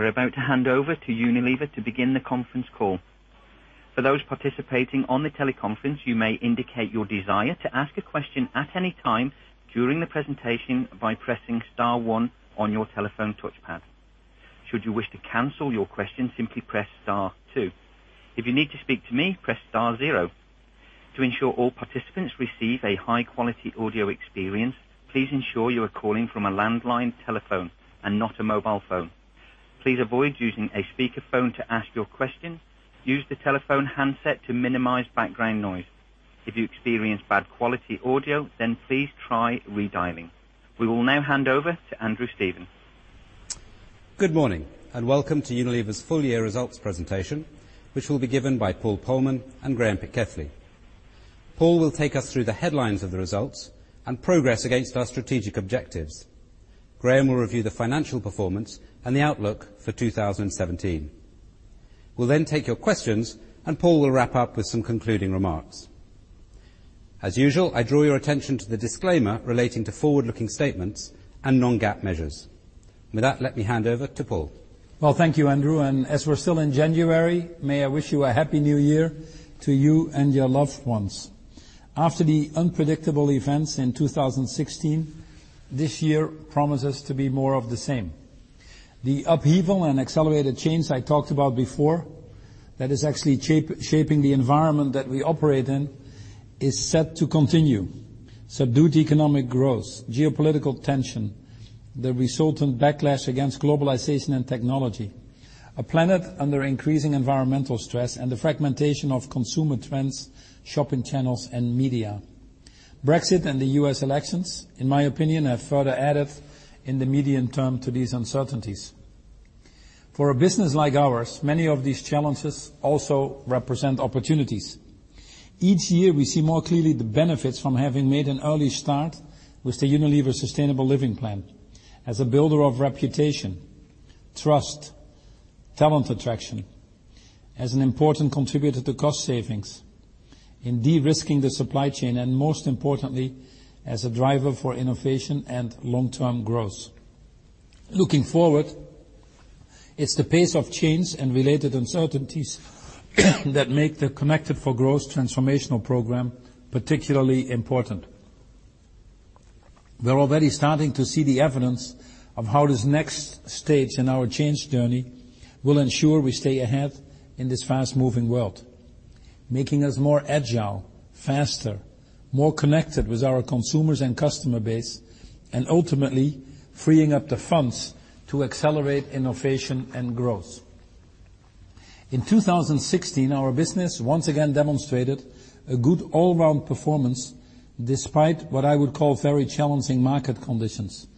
We're about to hand over to Unilever to begin the conference call. For those participating on the teleconference, you may indicate your desire to ask a question at any time during the presentation by pressing star one on your telephone touchpad. Should you wish to cancel your question, simply press star two. If you need to speak to me, press star zero. To ensure all participants receive a high-quality audio experience, please ensure you are calling from a landline telephone and not a mobile phone. Please avoid using a speakerphone to ask your question. Use the telephone handset to minimize background noise. If you experience bad quality audio, then please try redialing. We will now hand over to Andrew Stephen. Good morning, welcome to Unilever's full year results presentation, which will be given by Paul Polman and Graeme Pitkethly. Paul will take us through the headlines of the results and progress against our strategic objectives. Graeme will review the financial performance and the outlook for 2017. We'll then take your questions, Paul will wrap up with some concluding remarks. As usual, I draw your attention to the disclaimer relating to forward-looking statements and non-GAAP measures. With that, let me hand over to Paul. Well, thank you, Andrew, as we're still in January, may I wish you a happy new year to you and your loved ones. After the unpredictable events in 2016, this year promises to be more of the same. The upheaval and accelerated change I talked about before that is actually shaping the environment that we operate in is set to continue. Subdued economic growth, geopolitical tension, the resultant backlash against globalization and technology, a planet under increasing environmental stress, and the fragmentation of consumer trends, shopping channels, and media. Brexit and the U.S. elections, in my opinion, have further added in the medium term to these uncertainties. For a business like ours, many of these challenges also represent opportunities. Each year, we see more clearly the benefits from having made an early start with the Unilever Sustainable Living Plan as a builder of reputation, trust, talent attraction, as an important contributor to cost savings in de-risking the supply chain, most importantly, as a driver for innovation and long-term growth. Looking forward, it's the pace of change and related uncertainties that make the Connected 4 Growth transformational program particularly important. We're already starting to see the evidence of how this next stage in our change journey will ensure we stay ahead in this fast-moving world, making us more agile, faster, more connected with our consumers and customer base, ultimately freeing up the funds to accelerate innovation and growth. In 2016, our business once again demonstrated a good all-round performance despite what I would call very challenging market conditions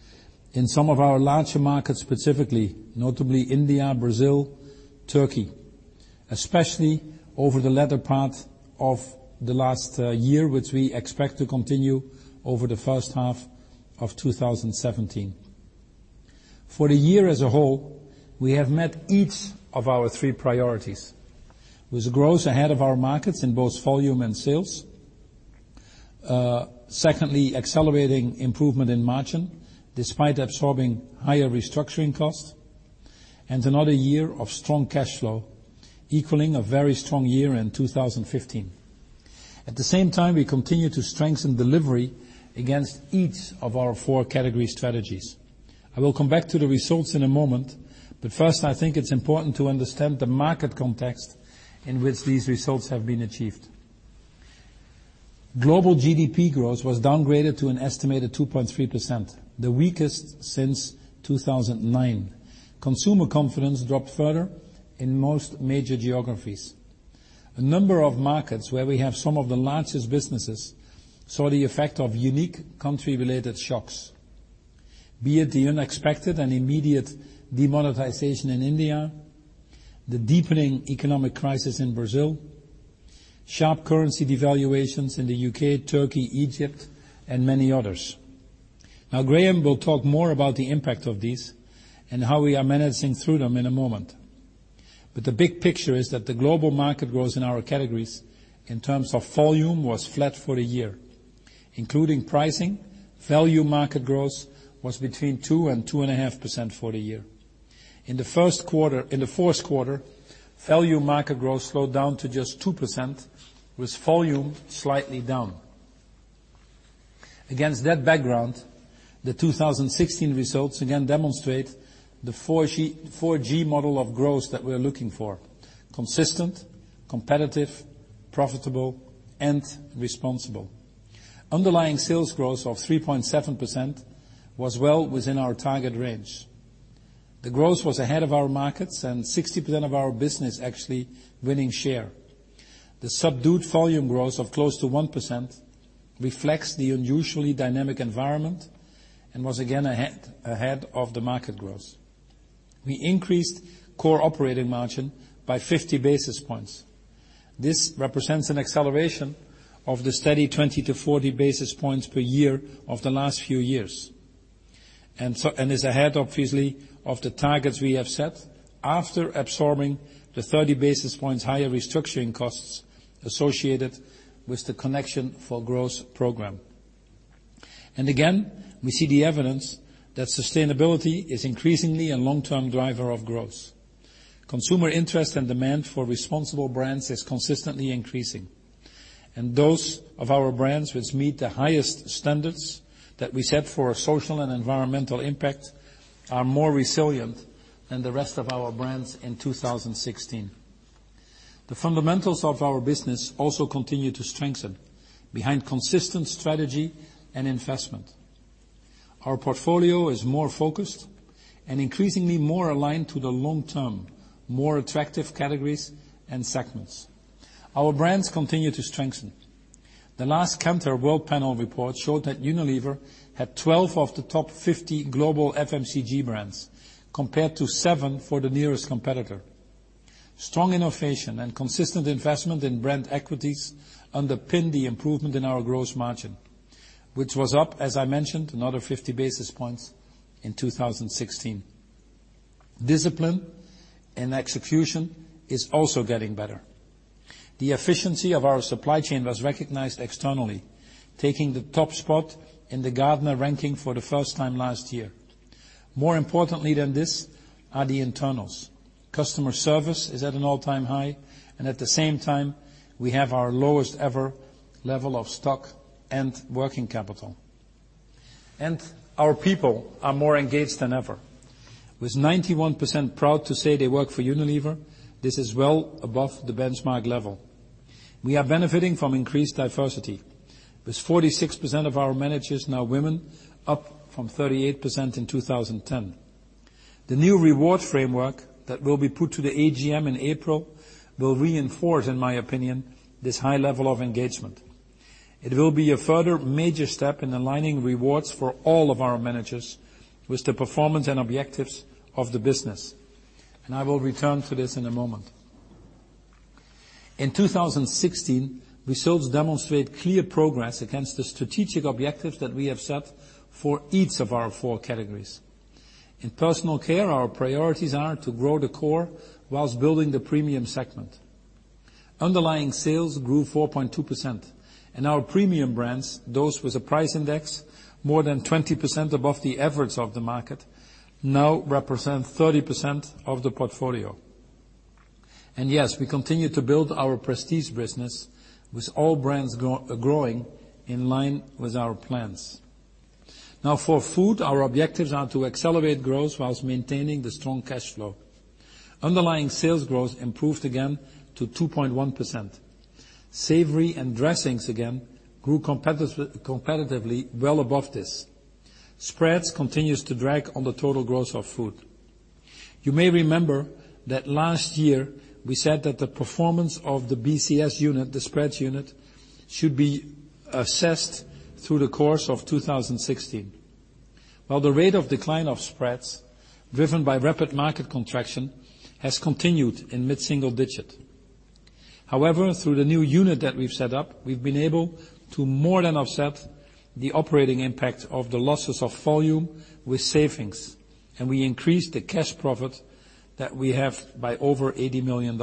in some of our larger markets specifically, notably India, Brazil, Turkey, especially over the latter part of the last year, which we expect to continue over the first half of 2017. For the year as a whole, we have met each of our three priorities with growth ahead of our markets in both volume and sales. Secondly, accelerating improvement in margin despite absorbing higher restructuring costs, and another year of strong cash flow equaling a very strong year in 2015. At the same time, we continue to strengthen delivery against each of our four category strategies. I will come back to the results in a moment, first, I think it's important to understand the market context in which these results have been achieved. Global GDP growth was downgraded to an estimated 2.3%, the weakest since 2009. Consumer confidence dropped further in most major geographies. A number of markets where we have some of the largest businesses saw the effect of unique country-related shocks, be it the unexpected and immediate demonetization in India, the deepening economic crisis in Brazil, sharp currency devaluations in the U.K., Turkey, Egypt, and many others. Graeme will talk more about the impact of these and how we are managing through them in a moment. The big picture is that the global market growth in our categories in terms of volume was flat for the year. Including pricing, value market growth was between 2% and 2.5% for the year. In the fourth quarter, value market growth slowed down to just 2%, with volume slightly down. Against that background, the 2016 results again demonstrate the 4G model of growth that we're looking for: consistent, competitive, profitable, and responsible. Underlying sales growth of 3.7% was well within our target range. The growth was ahead of our markets and 60% of our business actually winning share. The subdued volume growth of close to 1% reflects the unusually dynamic environment and was again ahead of the market growth. We increased core operating margin by 50 basis points. This represents an acceleration of the steady 20 to 40 basis points per year of the last few years, and is ahead, obviously, of the targets we have set after absorbing the 30 basis points higher restructuring costs associated with the Connection for Growth program. Again, we see the evidence that sustainability is increasingly a long-term driver of growth. Consumer interest and demand for responsible brands is consistently increasing. Those of our brands which meet the highest standards that we set for our social and environmental impact are more resilient than the rest of our brands in 2016. The fundamentals of our business also continue to strengthen behind consistent strategy and investment. Our portfolio is more focused and increasingly more aligned to the long-term, more attractive categories and segments. Our brands continue to strengthen. The last Kantar Worldpanel report showed that Unilever had 12 of the top 50 global FMCG brands, compared to seven for the nearest competitor. Strong innovation and consistent investment in brand equities underpin the improvement in our gross margin, which was up, as I mentioned, another 50 basis points in 2016. Discipline and execution is also getting better. The efficiency of our supply chain was recognized externally, taking the top spot in the Gartner ranking for the first time last year. More importantly than this are the internals. Customer service is at an all-time high, and at the same time, we have our lowest ever level of stock and working capital. Our people are more engaged than ever. With 91% proud to say they work for Unilever, this is well above the benchmark level. We are benefiting from increased diversity, with 46% of our managers now women, up from 38% in 2010. The new reward framework that will be put to the AGM in April will reinforce, in my opinion, this high level of engagement. It will be a further major step in aligning rewards for all of our managers with the performance and objectives of the business, and I will return to this in a moment. In 2016, results demonstrate clear progress against the strategic objectives that we have set for each of our four categories. In personal care, our priorities are to grow the core whilst building the premium segment. Underlying sales grew 4.2%, and our premium brands, those with a price index more than 20% above the efforts of the market, now represent 30% of the portfolio. Yes, we continue to build our prestige business with all brands growing in line with our plans. Now for food, our objectives are to accelerate growth whilst maintaining the strong cash flow. Underlying sales growth improved again to 2.1%. Savory and dressings again grew competitively well above this. Spreads continues to drag on the total growth of food. You may remember that last year we said that the performance of the BCS unit, the spreads unit, should be assessed through the course of 2016. While the rate of decline of spreads, driven by rapid market contraction, has continued in mid-single digit. However, through the new unit that we've set up, we've been able to more than offset the operating impact of the losses of volume with savings, and we increased the cash profit that we have by over $80 million.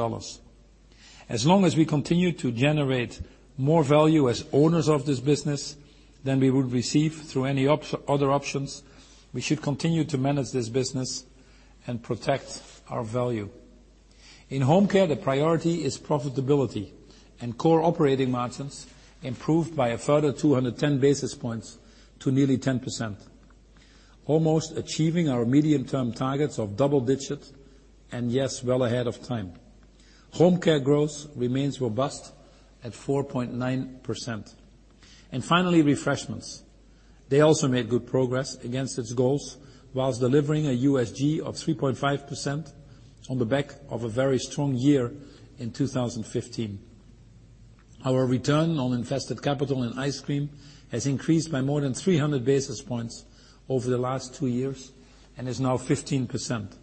As long as we continue to generate more value as owners of this business than we would receive through any other options, we should continue to manage this business and protect our value. In home care, the priority is profitability and core operating margins improved by a further 210 basis points to nearly 10%, almost achieving our medium-term targets of double digit, and yes, well ahead of time. Home care growth remains robust at 4.9%. Finally, Refreshments. They also made good progress against its goals whilst delivering a USG of 3.5% on the back of a very strong year in 2015. Our return on invested capital and ice cream has increased by more than 300 basis points over the last two years and is now 15%.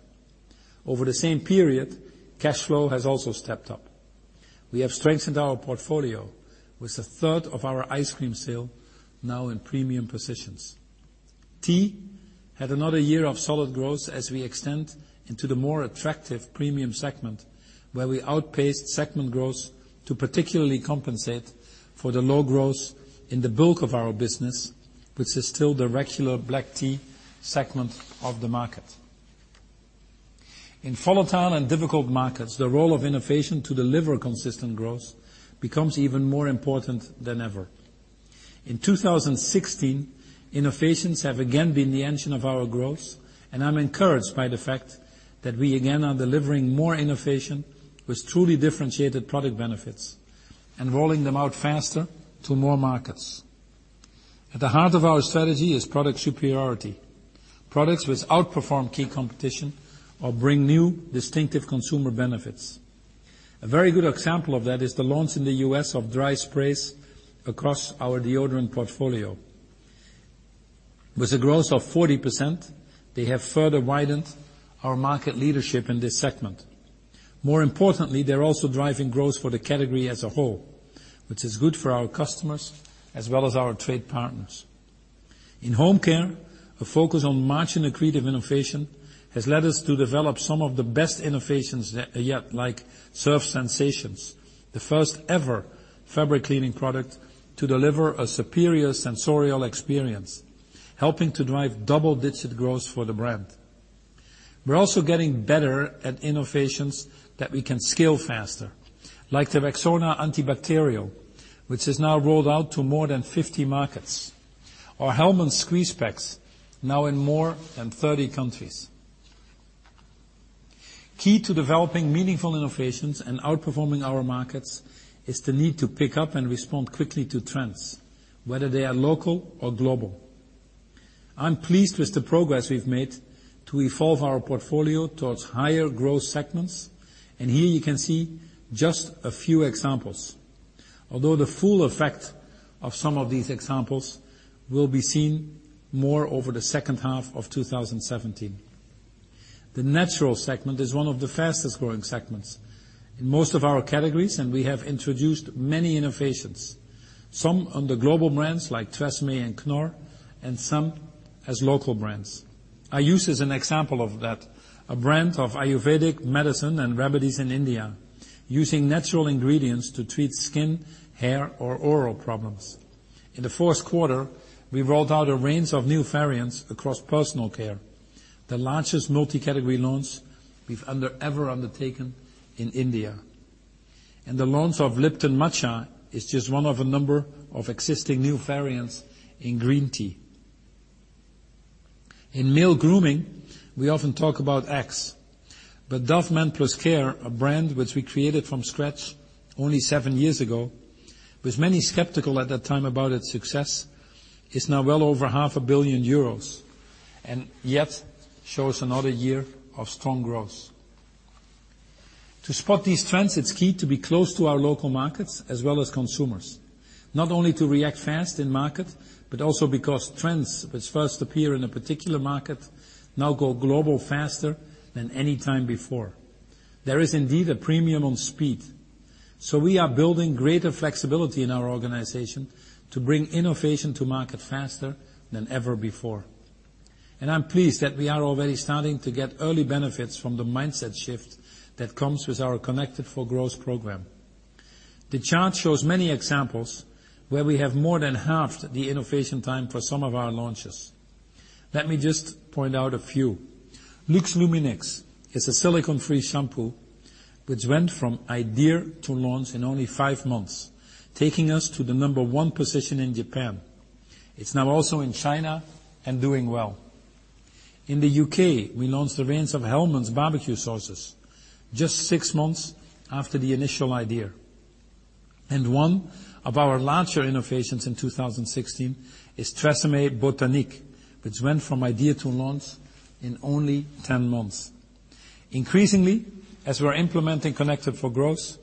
Over the same period, cash flow has also stepped up. We have strengthened our portfolio with a third of our ice cream sale now in premium positions. Tea had another year of solid growth as we extend into the more attractive premium segment, where we outpaced segment growth to particularly compensate for the low growth in the bulk of our business, which is still the regular black tea segment of the market. In volatile and difficult markets, the role of innovation to deliver consistent growth becomes even more important than ever. In 2016, innovations have again been the engine of our growth, and I'm encouraged by the fact that we again are delivering more innovation with truly differentiated product benefits and rolling them out faster to more markets. At the heart of our strategy is product superiority, products which outperform key competition or bring new distinctive consumer benefits. A very good example of that is the launch in the U.S. of dry sprays across our deodorant portfolio. With a growth of 40%, they have further widened our market leadership in this segment. More importantly, they're also driving growth for the category as a whole, which is good for our customers as well as our trade partners. In home care- A focus on margin-accretive innovation has led us to develop some of the best innovations yet, like Surf Sensations, the first ever fabric cleaning product to deliver a superior sensorial experience, helping to drive double-digit growth for the brand. We're also getting better at innovations that we can scale faster, like the Rexona antibacterial, which is now rolled out to more than 50 markets, or Hellmann's squeeze packs now in more than 30 countries. Key to developing meaningful innovations and outperforming our markets is the need to pick up and respond quickly to trends, whether they are local or global. I'm pleased with the progress we've made to evolve our portfolio towards higher growth segments, and here you can see just a few examples. Although the full effect of some of these examples will be seen more over the second half of 2017. The natural segment is one of the fastest growing segments in most of our categories, and we have introduced many innovations, some under global brands like TRESemmé and Knorr, and some as local brands. Ayush is an example of that, a brand of Ayurvedic medicine and remedies in India, using natural ingredients to treat skin, hair, or oral problems. In the fourth quarter, we rolled out a range of new variants across personal care, the largest multi-category launch we've ever undertaken in India. The launch of Lipton Matcha is just one of a number of existing new variants in green tea. In male grooming, we often talk about Axe, but Dove Men+Care, a brand which we created from scratch only seven years ago, with many skeptical at that time about its success, is now well over half a billion EUR, and yet shows another year of strong growth. To spot these trends, it's key to be close to our local markets as well as consumers. Not only to react fast in market, but also because trends which first appear in a particular market now go global faster than any time before. There is indeed a premium on speed. We are building greater flexibility in our organization to bring innovation to market faster than ever before. I'm pleased that we are already starting to get early benefits from the mindset shift that comes with our Connected 4 Growth program. The chart shows many examples where we have more than halved the innovation time for some of our launches. Let me just point out a few. Lux Luminique is a silicone-free shampoo which went from idea to launch in only five months, taking us to the number one position in Japan. It's now also in China and doing well. In the U.K., we launched a range of Hellmann's barbecue sauces just six months after the initial idea. One of our larger innovations in 2016 is TRESemmé Botanique, which went from idea to launch in only 10 months. Increasingly, as we're implementing Connected 4 Growth,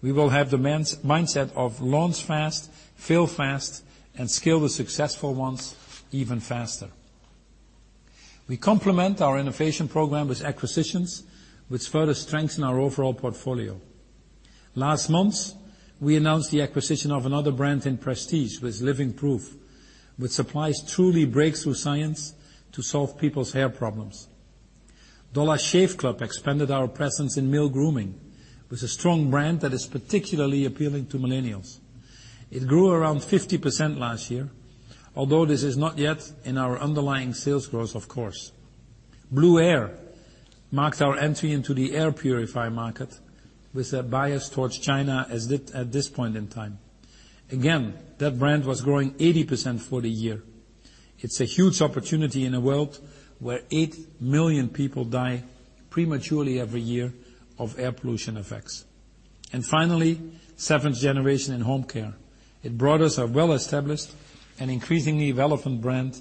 we will have the mindset of launch fast, fail fast, and scale the successful ones even faster. We complement our innovation program with acquisitions, which further strengthen our overall portfolio. Last month, we announced the acquisition of another brand in prestige with Living Proof, which supplies truly breakthrough science to solve people's hair problems. Dollar Shave Club expanded our presence in male grooming, with a strong brand that is particularly appealing to millennials. It grew around 50% last year, although this is not yet in our underlying sales growth, of course. Blueair marks our entry into the air purifier market with a bias towards China at this point in time. Again, that brand was growing 80% for the year. It's a huge opportunity in a world where eight million people die prematurely every year of air pollution effects. Finally, Seventh Generation in home care. It brought us a well-established and increasingly relevant brand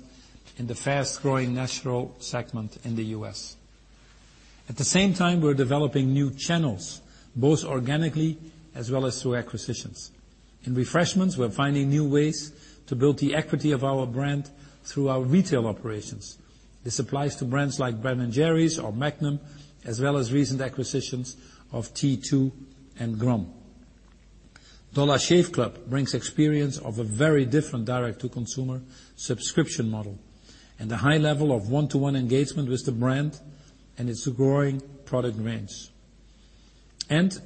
in the fast-growing natural segment in the U.S. At the same time, we're developing new channels, both organically as well as through acquisitions. In Refreshments, we're finding new ways to build the equity of our brand through our retail operations. This applies to brands like Ben & Jerry's or Magnum, as well as recent acquisitions of T2 and Grom. Dollar Shave Club brings experience of a very different direct-to-consumer subscription model and a high level of one-to-one engagement with the brand and its growing product range.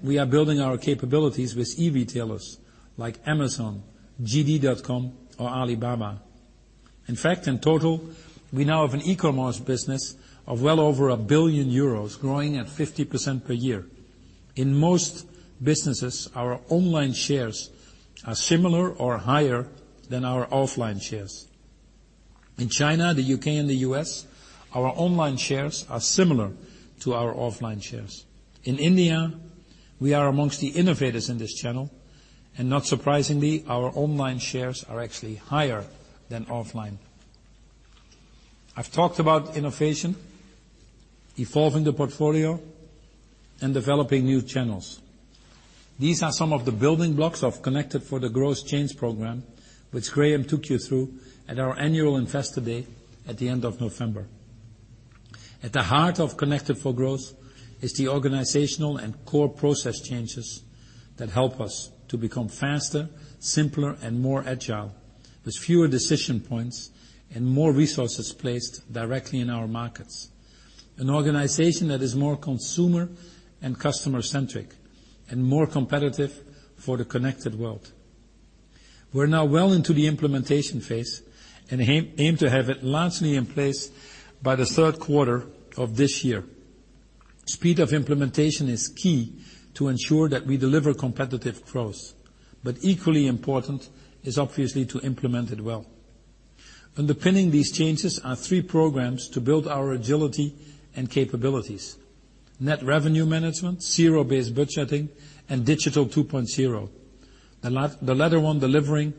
We are building our capabilities with e-retailers like Amazon, JD.com or Alibaba. In fact, in total, we now have an e-commerce business of well over 1 billion euros growing at 50% per year. In most businesses, our online shares are similar or higher than our offline shares. In China, the U.K., and the U.S., our online shares are similar to our offline shares. In India, we are amongst the innovators in this channel, and not surprisingly, our online shares are actually higher than offline. I've talked about innovation, evolving the portfolio, and developing new channels. These are some of the building blocks of Connected 4 Growth change program, which Graeme took you through at our annual investor day at the end of November. At the heart of Connected 4 Growth is the organizational and core process changes that help us to become faster, simpler, and more agile, with fewer decision points and more resources placed directly in our markets. An organization that is more consumer and customer centric, and more competitive for the connected world. We're now well into the implementation phase and aim to have it largely in place by the third quarter of this year. Speed of implementation is key to ensure that we deliver competitive growth. Equally important is obviously to implement it well. Underpinning these changes are three programs to build our agility and capabilities: net revenue management, zero-based budgeting, and Digital 2.0, the latter one delivering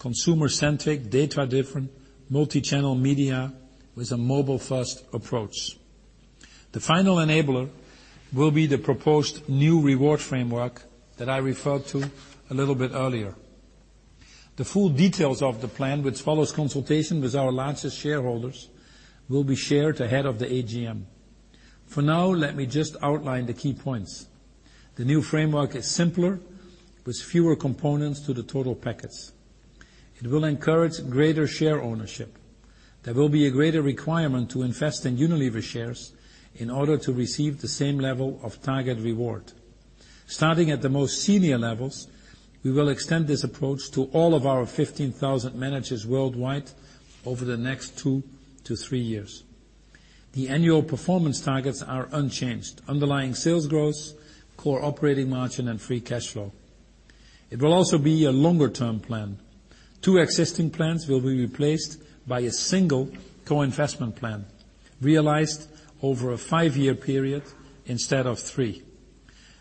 consumer-centric, data-driven, multi-channel media with a mobile-first approach. The final enabler will be the proposed new reward framework that I referred to a little bit earlier. The full details of the plan, which follows consultation with our largest shareholders, will be shared ahead of the AGM. For now, let me just outline the key points. The new framework is simpler with fewer components to the total package. It will encourage greater share ownership. There will be a greater requirement to invest in Unilever shares in order to receive the same level of target reward. Starting at the most senior levels, we will extend this approach to all of our 15,000 managers worldwide over the next two to three years. The annual performance targets are unchanged: underlying sales growth, core operating margin, and free cash flow. It will also be a longer-term plan. Two existing plans will be replaced by a single co-investment plan realized over a five-year period instead of three.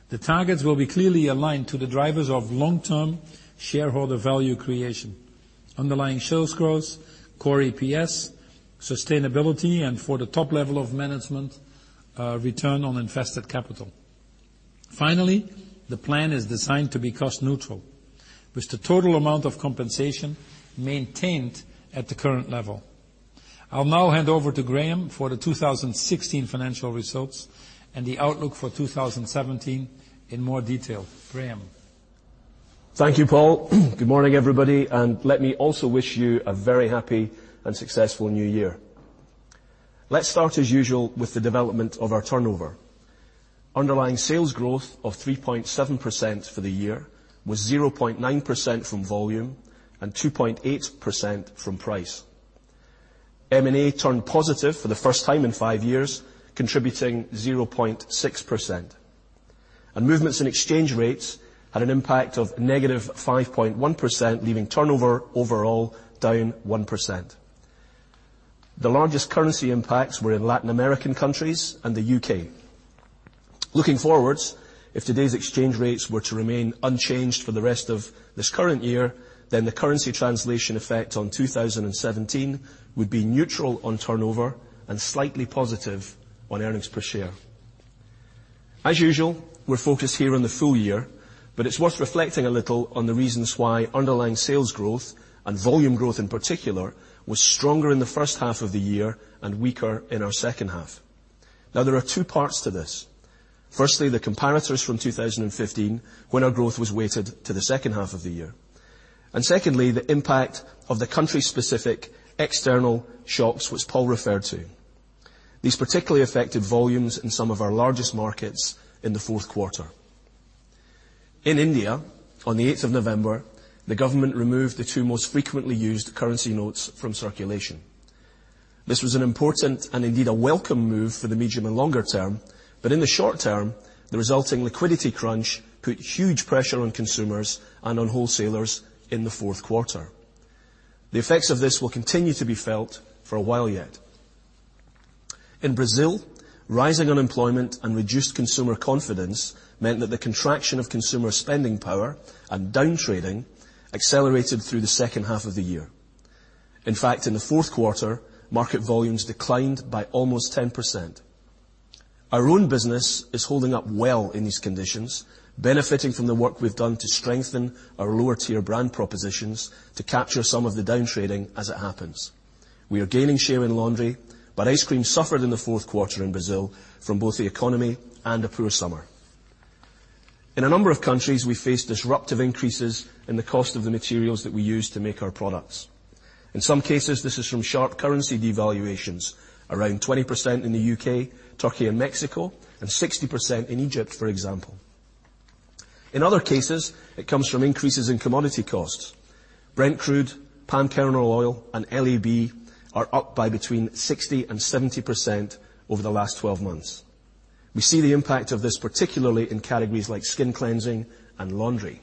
The targets will be clearly aligned to the drivers of long-term shareholder value creation, underlying sales growth, core EPS, sustainability, and for the top level of management, return on invested capital. Finally, the plan is designed to be cost neutral, with the total amount of compensation maintained at the current level. I'll now hand over to Graeme for the 2016 financial results and the outlook for 2017 in more detail. Graeme? Thank you, Paul. Good morning, everybody, and let me also wish you a very happy and successful new year. Let's start as usual with the development of our turnover. Underlying sales growth of 3.7% for the year, with 0.9% from volume and 2.8% from price. M&A turned positive for the first time in five years, contributing 0.6%. Movements in exchange rates had an impact of -5.1%, leaving turnover overall down 1%. The largest currency impacts were in Latin American countries and the U.K. Looking forwards, if today's exchange rates were to remain unchanged for the rest of this current year, then the currency translation effect on 2017 would be neutral on turnover and slightly positive on earnings per share. As usual, we're focused here on the full year, but it's worth reflecting a little on the reasons why underlying sales growth and volume growth in particular was stronger in the first half of the year and weaker in our second half. Now there are two parts to this. Firstly, the comparators from 2015, when our growth was weighted to the second half of the year. Secondly, the impact of the country-specific external shocks which Paul referred to. These particularly affected volumes in some of our largest markets in the fourth quarter. In India, on the 8th of November, the government removed the two most frequently used currency notes from circulation. This was an important and indeed a welcome move for the medium and longer term, but in the short term, the resulting liquidity crunch put huge pressure on consumers and on wholesalers in the fourth quarter. The effects of this will continue to be felt for a while yet. In Brazil, rising unemployment and reduced consumer confidence meant that the contraction of consumer spending power and down trading accelerated through the second half of the year. In fact, in the fourth quarter, market volumes declined by almost 10%. Our own business is holding up well in these conditions, benefiting from the work we've done to strengthen our lower-tier brand propositions to capture some of the down trading as it happens. We are gaining share in laundry, but ice cream suffered in the fourth quarter in Brazil from both the economy and a poor summer. In a number of countries, we faced disruptive increases in the cost of the materials that we use to make our products. In some cases, this is from sharp currency devaluations. Around 20% in the U.K., Turkey, and Mexico, and 60% in Egypt, for example. In other cases, it comes from increases in commodity costs. Brent crude, palm kernel oil, and LAB are up by between 60% and 70% over the last 12 months. We see the impact of this particularly in categories like skin cleansing and laundry.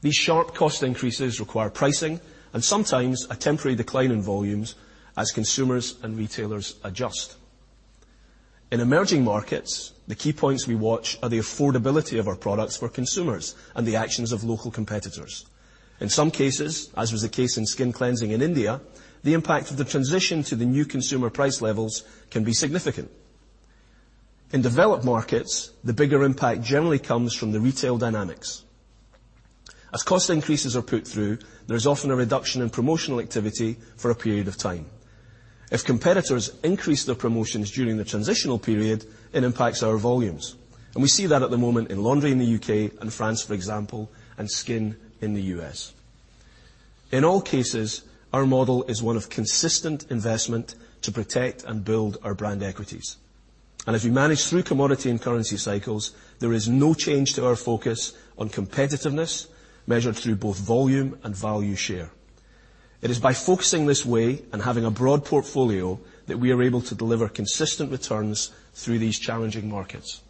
These sharp cost increases require pricing and sometimes a temporary decline in volumes as consumers and retailers adjust. In emerging markets, the key points we watch are the affordability of our products for consumers and the actions of local competitors. In some cases, as was the case in skin cleansing in India, the impact of the transition to the new consumer price levels can be significant. In developed markets, the bigger impact generally comes from the retail dynamics. As cost increases are put through, there is often a reduction in promotional activity for a period of time. If competitors increase their promotions during the transitional period, it impacts our volumes, and we see that at the moment in laundry in the U.K. and France, for example, and skin in the U.S. In all cases, our model is one of consistent investment to protect and build our brand equities. As we manage through commodity and currency cycles, there is no change to our focus on competitiveness, measured through both volume and value share. It is by focusing this way and having a broad portfolio that we are able to deliver consistent returns through these challenging markets.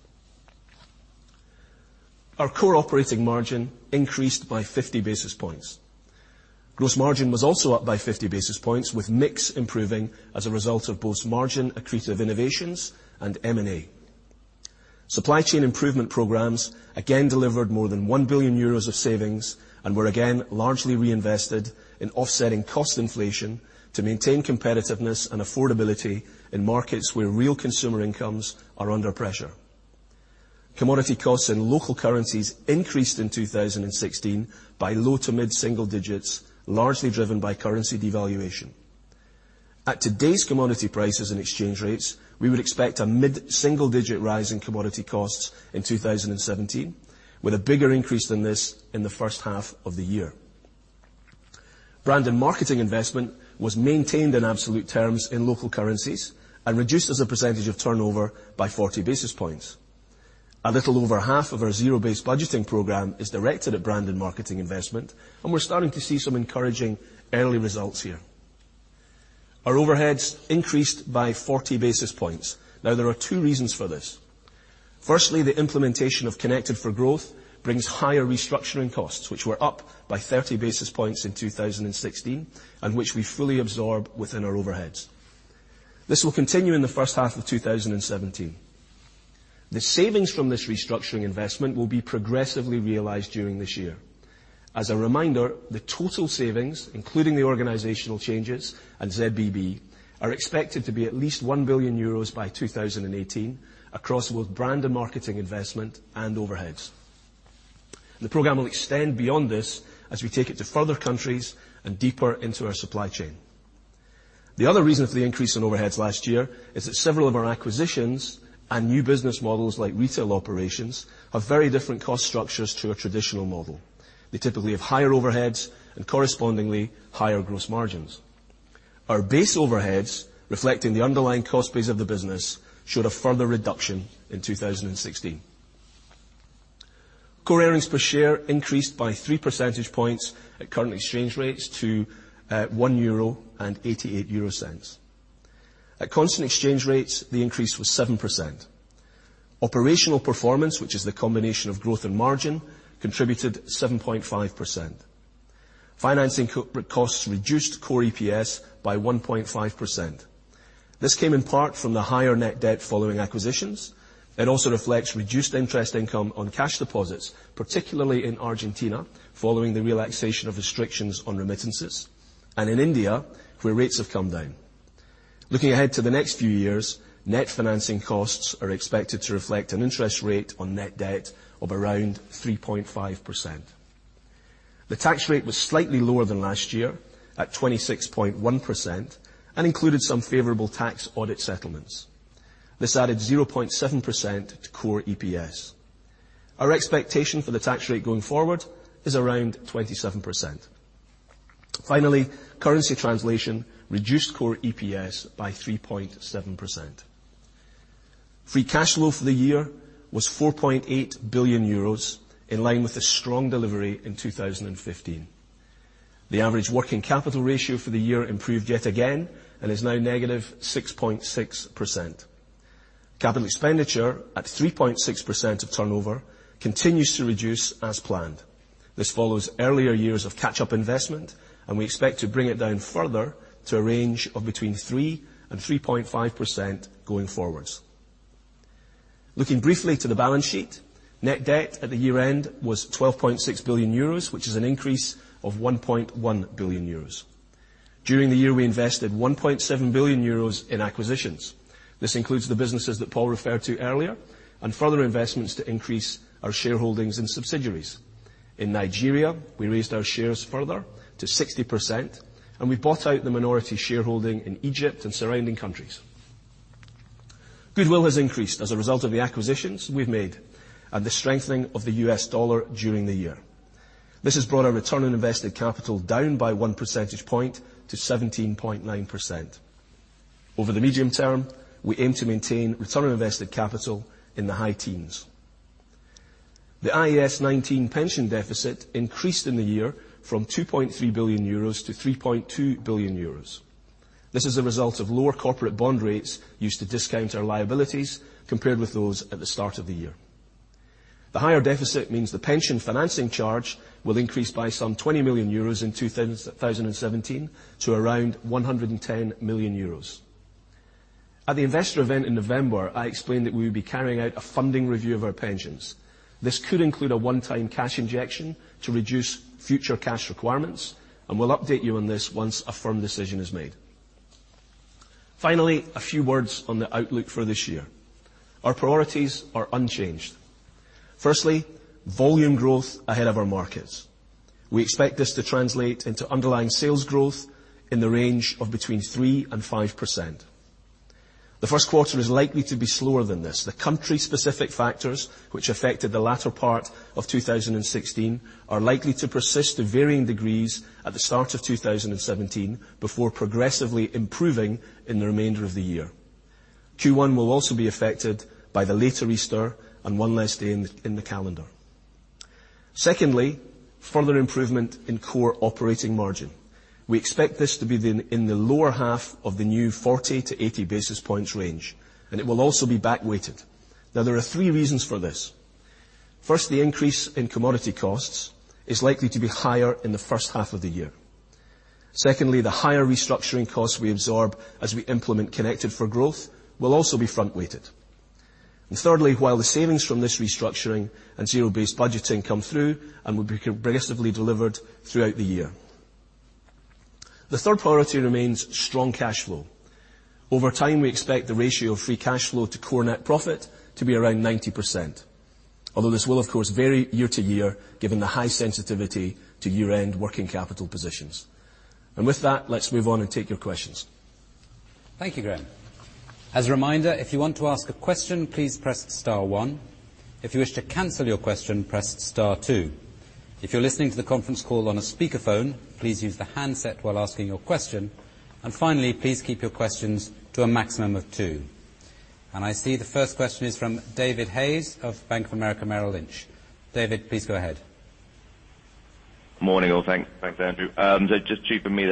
Our core operating margin increased by 50 basis points. Gross margin was also up by 50 basis points, with mix improving as a result of both margin-accretive innovations and M&A. Supply chain improvement programs again delivered more than 1 billion euros of savings and were again largely reinvested in offsetting cost inflation to maintain competitiveness and affordability in markets where real consumer incomes are under pressure. Commodity costs in local currencies increased in 2016 by low to mid-single digits, largely driven by currency devaluation. At today's commodity prices and exchange rates, we would expect a mid-single digit rise in commodity costs in 2017, with a bigger increase than this in the first half of the year. Brand and marketing investment was maintained in absolute terms in local currencies and reduced as a percentage of turnover by 40 basis points. A little over half of our zero-based budgeting program is directed at brand and marketing investment, we're starting to see some encouraging early results here. Our overheads increased by 40 basis points. There are two reasons for this. Firstly, the implementation of Connected 4 Growth brings higher restructuring costs, which were up by 30 basis points in 2016, and which we fully absorb within our overheads. This will continue in the first half of 2017. The savings from this restructuring investment will be progressively realized during this year. As a reminder, the total savings, including the organizational changes and ZBB, are expected to be at least 1 billion euros by 2018 across both brand and marketing investment and overheads. The program will extend beyond this as we take it to further countries and deeper into our supply chain. The other reason for the increase in overheads last year is that several of our acquisitions and new business models, like retail operations, have very different cost structures to a traditional model. They typically have higher overheads and correspondingly higher gross margins. Our base overheads, reflecting the underlying cost base of the business, showed a further reduction in 2016. Core earnings per share increased by three percentage points at current exchange rates to 1.88 euro. At constant exchange rates, the increase was 7%. Operational performance, which is the combination of growth and margin, contributed 7.5%. Financing costs reduced core EPS by 1.5%. This came in part from the higher net debt following acquisitions. It also reflects reduced interest income on cash deposits, particularly in Argentina, following the relaxation of restrictions on remittances, and in India, where rates have come down. Looking ahead to the next few years, net financing costs are expected to reflect an interest rate on net debt of around 3.5%. The tax rate was slightly lower than last year at 26.1% and included some favorable tax audit settlements. This added 0.7% to core EPS. Our expectation for the tax rate going forward is around 27%. Finally, currency translation reduced core EPS by 3.7%. Free cash flow for the year was 4.8 billion euros, in line with the strong delivery in 2015. The average working capital ratio for the year improved yet again and is now negative 6.6%. Capital expenditure at 3.6% of turnover continues to reduce as planned. This follows earlier years of catch-up investment, and we expect to bring it down further to a range of between 3% and 3.5% going forwards. Looking briefly to the balance sheet, net debt at the year-end was 12.6 billion euros, which is an increase of 1.1 billion euros. During the year, we invested 1.7 billion euros in acquisitions. This includes the businesses that Paul referred to earlier and further investments to increase our shareholdings in subsidiaries. In Nigeria, we raised our shares further to 60%, and we bought out the minority shareholding in Egypt and surrounding countries. Goodwill has increased as a result of the acquisitions we've made and the strengthening of the U.S. dollar during the year. This has brought our return on invested capital down by one percentage point to 17.9%. Over the medium term, we aim to maintain return on invested capital in the high teens. The IAS 19 pension deficit increased in the year from 2.3 billion euros to 3.2 billion euros. This is a result of lower corporate bond rates used to discount our liabilities compared with those at the start of the year. The higher deficit means the pension financing charge will increase by some 20 million euros in 2017 to around 110 million euros. At the investor event in November, I explained that we would be carrying out a funding review of our pensions. This could include a one-time cash injection to reduce future cash requirements, and we'll update you on this once a firm decision is made. Finally, a few words on the outlook for this year. Our priorities are unchanged. Firstly, volume growth ahead of our markets. We expect this to translate into underlying sales growth in the range of between 3% and 5%. The first quarter is likely to be slower than this. The country-specific factors which affected the latter part of 2016 are likely to persist to varying degrees at the start of 2017, before progressively improving in the remainder of the year. Q1 will also be affected by the later Easter and one less day in the calendar. Secondly, further improvement in core operating margin. We expect this to be in the lower half of the new 40 to 80 basis points range. It will also be back-weighted. There are three reasons for this. First, the increase in commodity costs is likely to be higher in the first half of the year. Secondly, the higher restructuring costs we absorb as we implement Connected for Growth will also be front-weighted. Thirdly, while the savings from this restructuring and zero-based budgeting come through and will be progressively delivered throughout the year. The third priority remains strong cash flow. Over time, we expect the ratio of free cash flow to core net profit to be around 90%, although this will, of course, vary year to year, given the high sensitivity to year-end working capital positions. With that, let's move on and take your questions. Thank you, Graeme. As a reminder, if you want to ask a question, please press star one. If you wish to cancel your question, press star two. If you're listening to the conference call on a speakerphone, please use the handset while asking your question. Finally, please keep your questions to a maximum of two. I see the first question is from David Hayes of Bank of America, Merrill Lynch. David, please go ahead. Morning all. Thanks, Andrew. Just two from me.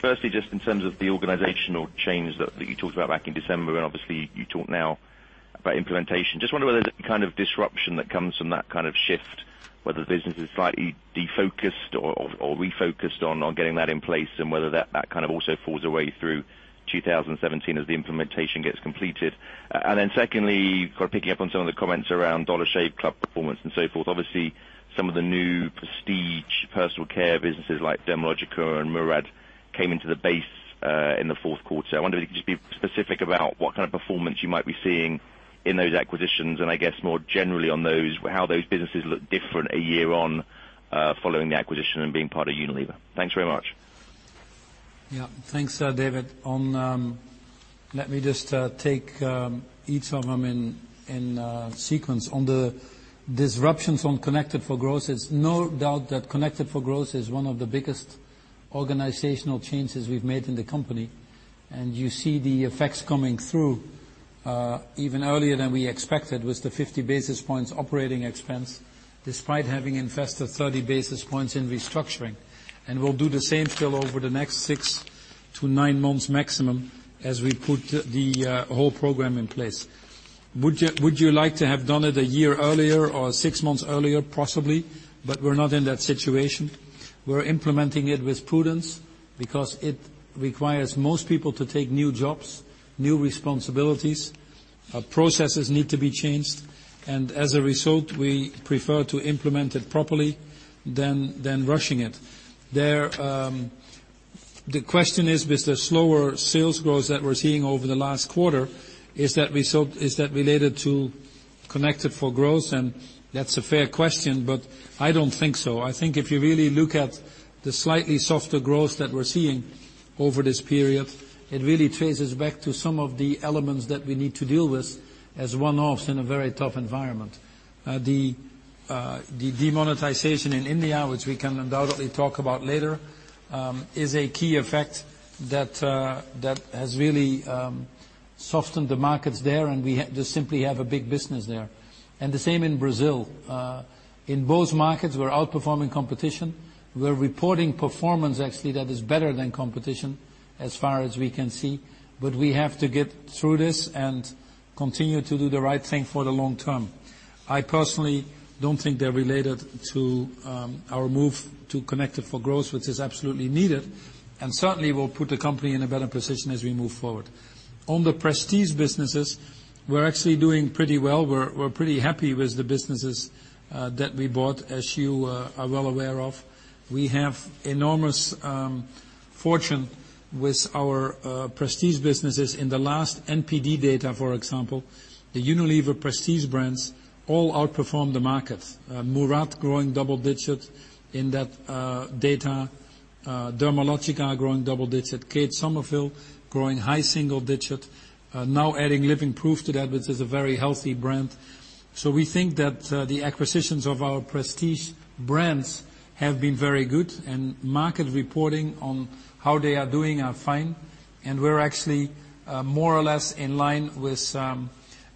Firstly, just in terms of the organizational change that you talked about back in December, and obviously you talk now about implementation, just wonder whether there's any kind of disruption that comes from that kind of shift, whether the business is slightly de-focused or refocused on getting that in place and whether that kind of also falls away through 2017 as the implementation gets completed. Secondly, kind of picking up on some of the comments around Dollar Shave Club performance and so forth. Obviously, some of the new prestige personal care businesses like Dermalogica and Murad came into the base in the fourth quarter. I wonder if you could just be specific about what kind of performance you might be seeing in those acquisitions, and I guess more generally on those, how those businesses look different a year on, following the acquisition and being part of Unilever. Thanks very much. Yeah. Thanks, David. Let me just take each of them in sequence. On the disruptions on Connected 4 Growth, it's no doubt that Connected 4 Growth is one of the biggest organizational changes we've made in the company. You see the effects coming through, even earlier than we expected, with the 50 basis points operating expense, despite having invested 30 basis points in restructuring. We'll do the same still over the next six to nine months maximum as we put the whole program in place. Would you like to have done it a year earlier or six months earlier? Possibly, but we're not in that situation. We're implementing it with prudence because it requires most people to take new jobs, new responsibilities. Our processes need to be changed, and as a result, we prefer to implement it properly than rushing it. The question is, with the slower sales growth that we're seeing over the last quarter, is that related to Connected 4 Growth? That's a fair question, but I don't think so. I think if you really look at the slightly softer growth that we're seeing over this period, it really traces back to some of the elements that we need to deal with as one-offs in a very tough environment. The demonetization in India, which we can undoubtedly talk about later, is a key effect that has really softened the markets there, and we just simply have a big business there. The same in Brazil. In both markets, we're outperforming competition. We're reporting performance actually that is better than competition as far as we can see. We have to get through this and continue to do the right thing for the long term. I personally don't think they're related to our move to Connected 4 Growth, which is absolutely needed and certainly will put the company in a better position as we move forward. On the prestige businesses, we're actually doing pretty well. We're pretty happy with the businesses that we bought. As you are well aware of, we have enormous fortune with our prestige businesses. In the last NPD data, for example, the Unilever prestige brands all outperformed the market. Murad growing double digit in that data. Dermalogica are growing double digit. Kate Somerville growing high single digit. Now adding Living Proof to that, which is a very healthy brand. We think that the acquisitions of our prestige brands have been very good, and market reporting on how they are doing are fine, and we're actually more or less in line with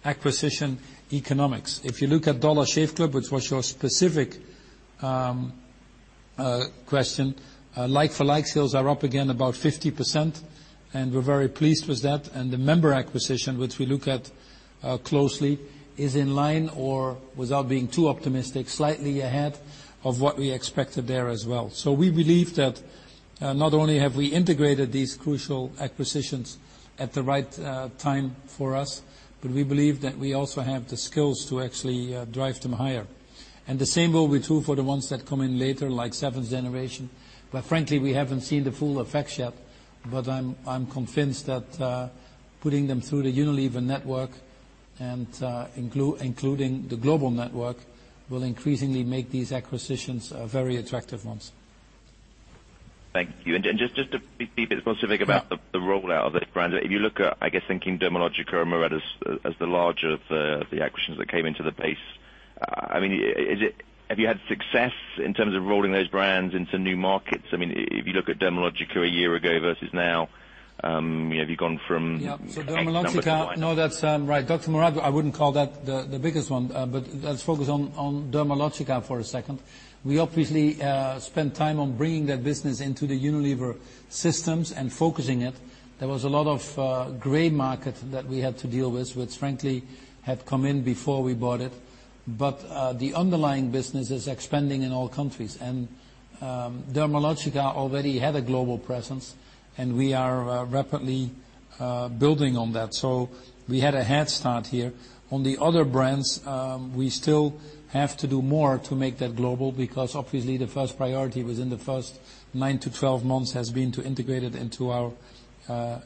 acquisition economics. If you look at Dollar Shave Club, which was your specific question, like-for-like sales are up again about 50%, and we're very pleased with that. The member acquisition, which we look at closely, is in line or, without being too optimistic, slightly ahead of what we expected there as well. We believe that not only have we integrated these crucial acquisitions at the right time for us, but we believe that we also have the skills to actually drive them higher. The same will be true for the ones that come in later, like Seventh Generation. Frankly, we haven't seen the full effects yet. I'm convinced that putting them through the Unilever network And including the global network will increasingly make these acquisitions very attractive ones. Thank you. Just to be a bit specific about the rollout of that brand. If you look at, thinking Dermalogica and Murad as the larger of the acquisitions that came into the base, have you had success in terms of rolling those brands into new markets? If you look at Dermalogica a year ago versus now, have you gone from X numbers of- Dermalogica. No, that's right. Dr. Murad, I wouldn't call that the biggest one. Let's focus on Dermalogica for a second. We obviously spend time on bringing that business into the Unilever systems and focusing it. There was a lot of gray market that we had to deal with, which frankly had come in before we bought it. The underlying business is expanding in all countries, and Dermalogica already had a global presence, and we are rapidly building on that. We had a head start here. On the other brands, we still have to do more to make that global, because obviously the first priority was in the first 9 to 12 months has been to integrate it into our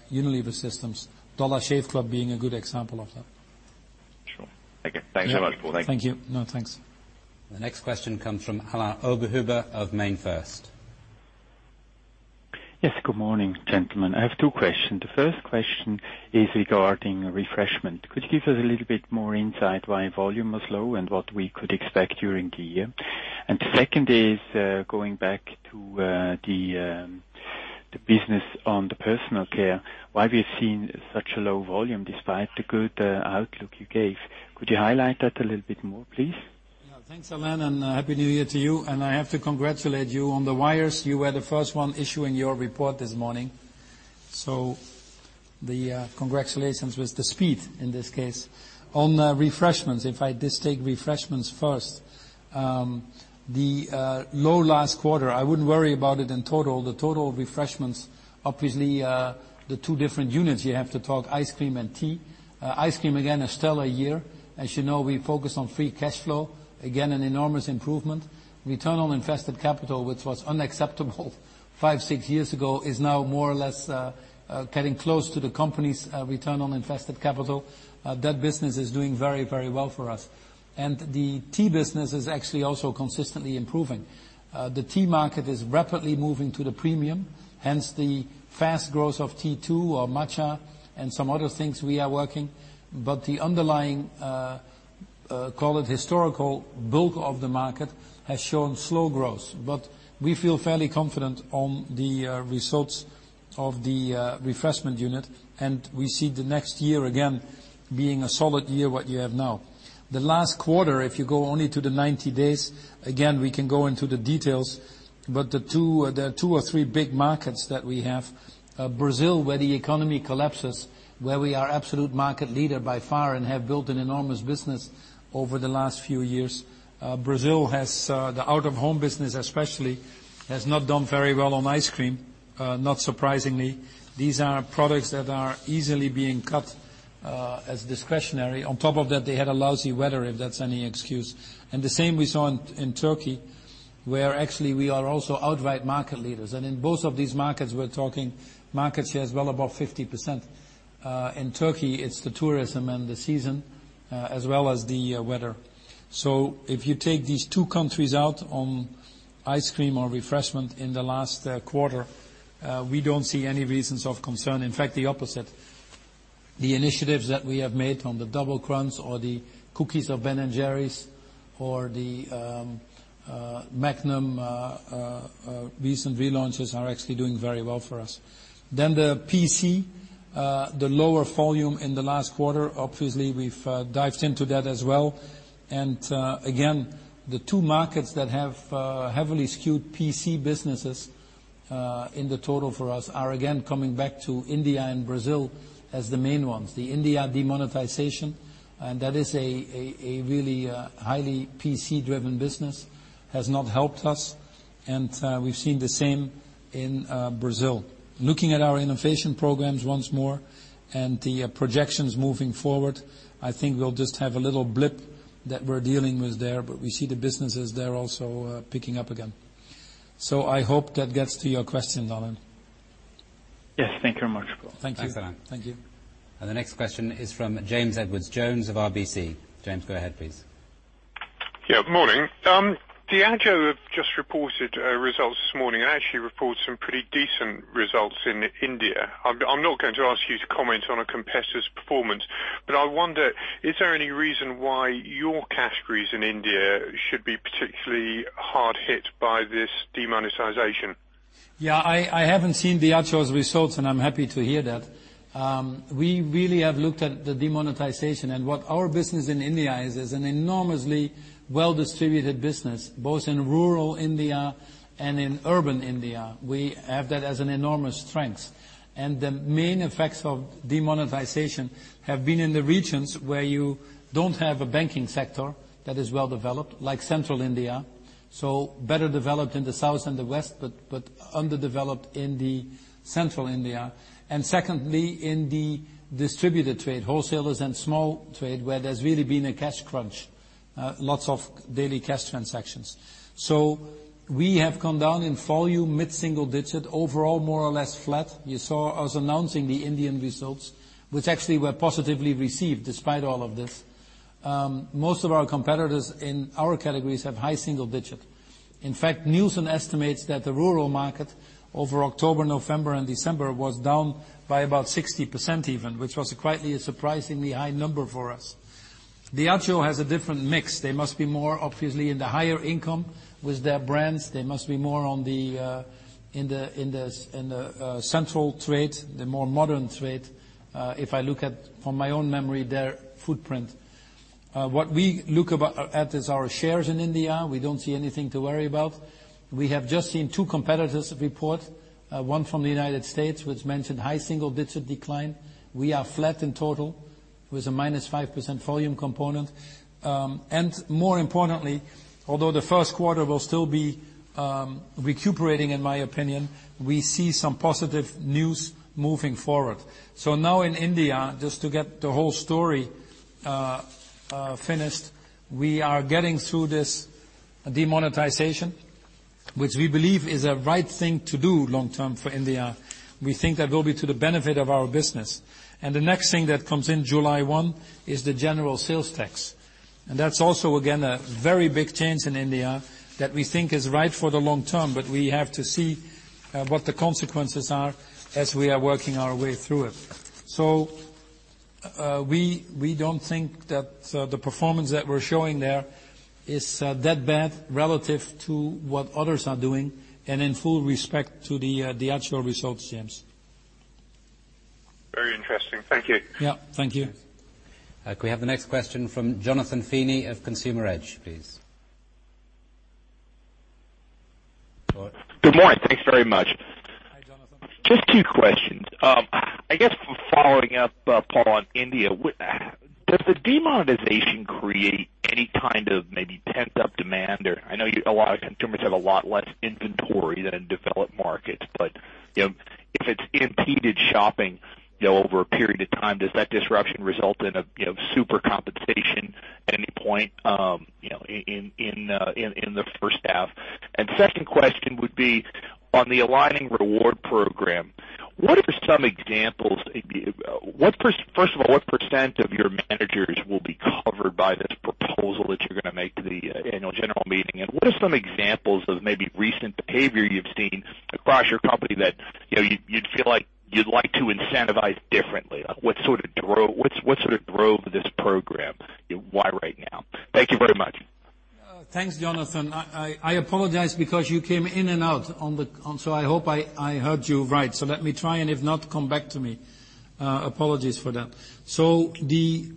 Unilever systems. Dollar Shave Club being a good example of that. Sure. Okay. Thanks very much, Paul. Thank you. Thank you. No, thanks. The next question comes from Alain Oberhuber of MainFirst. Yes, good morning, gentlemen. I have two questions. The first question is regarding Refreshment. Could you give us a little bit more insight why volume was low and what we could expect during the year? The second is, going back to the business on the Personal Care, why we've seen such a low volume despite the good outlook you gave. Could you highlight that a little bit more, please? Yeah. Thanks, Alain, happy new year to you, and I have to congratulate you on the wires. You were the first one issuing your report this morning. The congratulations with the speed in this case. On Refreshments, if I just take Refreshments first. The low last quarter, I wouldn't worry about it in total. The total Refreshments, obviously, the two different units, you have to talk Ice Cream and Tea. Ice Cream, again, a stellar year. As you know, we focus on free cash flow. Again, an enormous improvement. Return on invested capital, which was unacceptable five, six years ago, is now more or less, getting close to the company's return on invested capital. That business is doing very well for us. The Tea business is actually also consistently improving. The tea market is rapidly moving to the premium, hence the fast growth of T2, or Matcha and some other things we are working. The underlying, call it historical bulk of the market, has shown slow growth. We feel fairly confident on the results of the refreshment unit, and we see the next year again being a solid year, what you have now. The last quarter, if you go only to the 90 days, again, we can go into the details, but the two or three big markets that we have, Brazil, where the economy collapses, where we are absolute market leader by far and have built an enormous business over the last few years. Brazil has the out-of-home business especially, has not done very well on ice cream, not surprisingly. These are products that are easily being cut as discretionary. On top of that, they had a lousy weather, if that's any excuse. The same we saw in Turkey, where actually we are also outright market leaders. In both of these markets, we're talking market share is well above 50%. In Turkey, it's the tourism and the season, as well as the weather. If you take these two countries out on ice cream or refreshment in the last quarter, we don't see any reasons of concern. In fact, the opposite. The initiatives that we have made on the Double Crunches or the cookies of Ben & Jerry's or the Magnum recent relaunches are actually doing very well for us. The PC, the lower volume in the last quarter, obviously, we've dived into that as well. Again, the two markets that have heavily skewed PC businesses, in the total for us are again coming back to India and Brazil as the main ones. The India demonetization, and that is a really highly PC-driven business, has not helped us, and we've seen the same in Brazil. Looking at our innovation programs once more and the projections moving forward, I think we'll just have a little blip that we're dealing with there, but we see the businesses there also picking up again. I hope that gets to your question, Alain. Yes. Thank you very much, Paul. Thank you. Thanks, Alain. Thank you. The next question is from James Edwardes Jones of RBC. James, go ahead, please. Good morning. Diageo just reported results this morning and actually reports some pretty decent results in India. I'm not going to ask you to comment on a competitor's performance, but I wonder, is there any reason why your categories in India should be particularly hard hit by this demonetization? I haven't seen Diageo's results, and I'm happy to hear that. We really have looked at the demonetization and what our business in India is an enormously well-distributed business, both in rural India and in urban India. We have that as an enormous strength. The main effects of demonetization have been in the regions where you don't have a banking sector that is well developed, like central India, so better developed in the south and the west, but underdeveloped in the central India. Secondly, in the distributed trade, wholesalers and small trade, where there's really been a cash crunch. Lots of daily cash transactions. We have come down in volume, mid-single-digit. Overall, more or less flat. You saw us announcing the Indian results, which actually were positively received despite all of this. Most of our competitors in our categories have high-single-digit. Nielsen estimates that the rural market over October, November, and December was down by about 60% even, which was quite a surprisingly high number for us. Diageo has a different mix. They must be more, obviously, in the higher income with their brands. They must be more in the central trade, the more modern trade, if I look at, from my own memory, their footprint. What we look at is our shares in India. We don't see anything to worry about. We have just seen two competitors report, one from the U.S., which mentioned high single-digit decline. We are flat in total with a minus 5% volume component. More importantly, although the first quarter will still be recuperating, in my opinion, we see some positive news moving forward. Now in India, just to get the whole story finished, we are getting through this demonetization, which we believe is a right thing to do long term for India. We think that will be to the benefit of our business. The next thing that comes in July 1 is the general sales tax. That's also, again, a very big change in India that we think is right for the long term, but we have to see what the consequences are as we are working our way through it. We don't think that the performance that we're showing there is that bad relative to what others are doing and in full respect to the actual results, James. Very interesting. Thank you. Yeah. Thank you. We have the next question from Jonathan Feeney of Consumer Edge, please. Good morning. Thanks very much. Hi, Jonathan. Just two questions. I guess, following up, Paul, on India. Does the demonetization create any kind of maybe pent-up demand or, I know a lot of consumers have a lot less inventory than developed markets, but if it's impeded shopping over a period of time, does that disruption result in a super compensation at any point in the first half? Second question would be on the aligning reward program. First of all, what % of your managers will be covered by this proposal that you're going to make to the annual general meeting? And what are some examples of maybe recent behavior you've seen across your company that you'd feel like you'd like to incentivize differently? What sort of drove this program? Why right now? Thank you very much. Thanks, Jonathan. I apologize because you came in and out, I hope I heard you right. Let me try, and if not, come back to me. Apologies for that. The